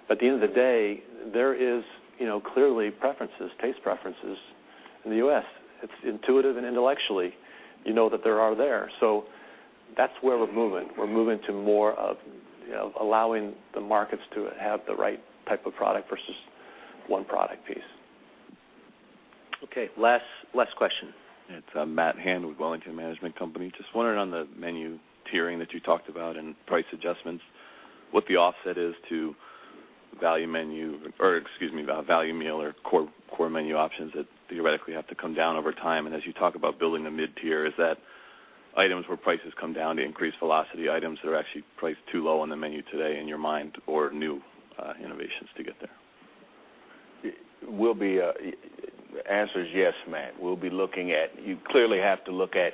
At the end of the day, there is clearly preferences, taste preferences in the U.S. It's intuitive and intellectually, you know that they are there. That's where we're moving. We're moving to more of allowing the markets to have the right type of product versus one product piece. Okay. Last question. It's Matt Hann with Wellington Management Company. Just wondering on the menu tiering that you talked about and price adjustments, what the offset is to value menu, or excuse me, value meal or core menu options that theoretically have to come down over time. As you talk about building a mid-tier, is that items where prices come down to increase velocity, items that are actually priced too low on the menu today in your mind or new innovations to get there? The answer is yes, Matt. You clearly have to look at,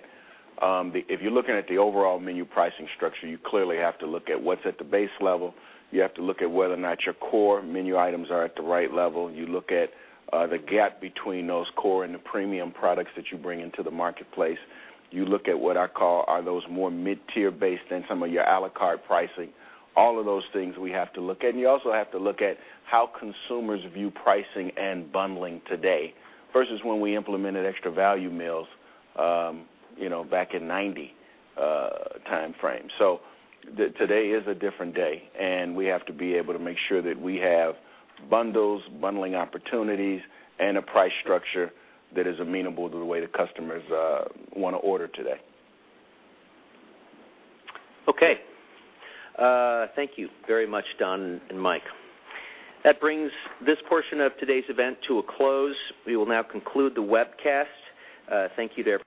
if you're looking at the overall menu pricing structure, you clearly have to look at what's at the base level. You have to look at whether or not your core menu items are at the right level. You look at the gap between those core and the premium products that you bring into the marketplace. You look at what I call are those more mid-tier based than some of your à la carte pricing. All of those things we have to look at. You also have to look at how consumers view pricing and bundling today versus when we implemented extra value meals back in 1990 timeframe. Today is a different day, and we have to be able to make sure that we have bundles, bundling opportunities, and a price structure that is amenable to the way the customers want to order today. Okay. Thank you very much, Don and Mike. That brings this portion of today's event to a close. We will now conclude the webcast. Thank you to everyone.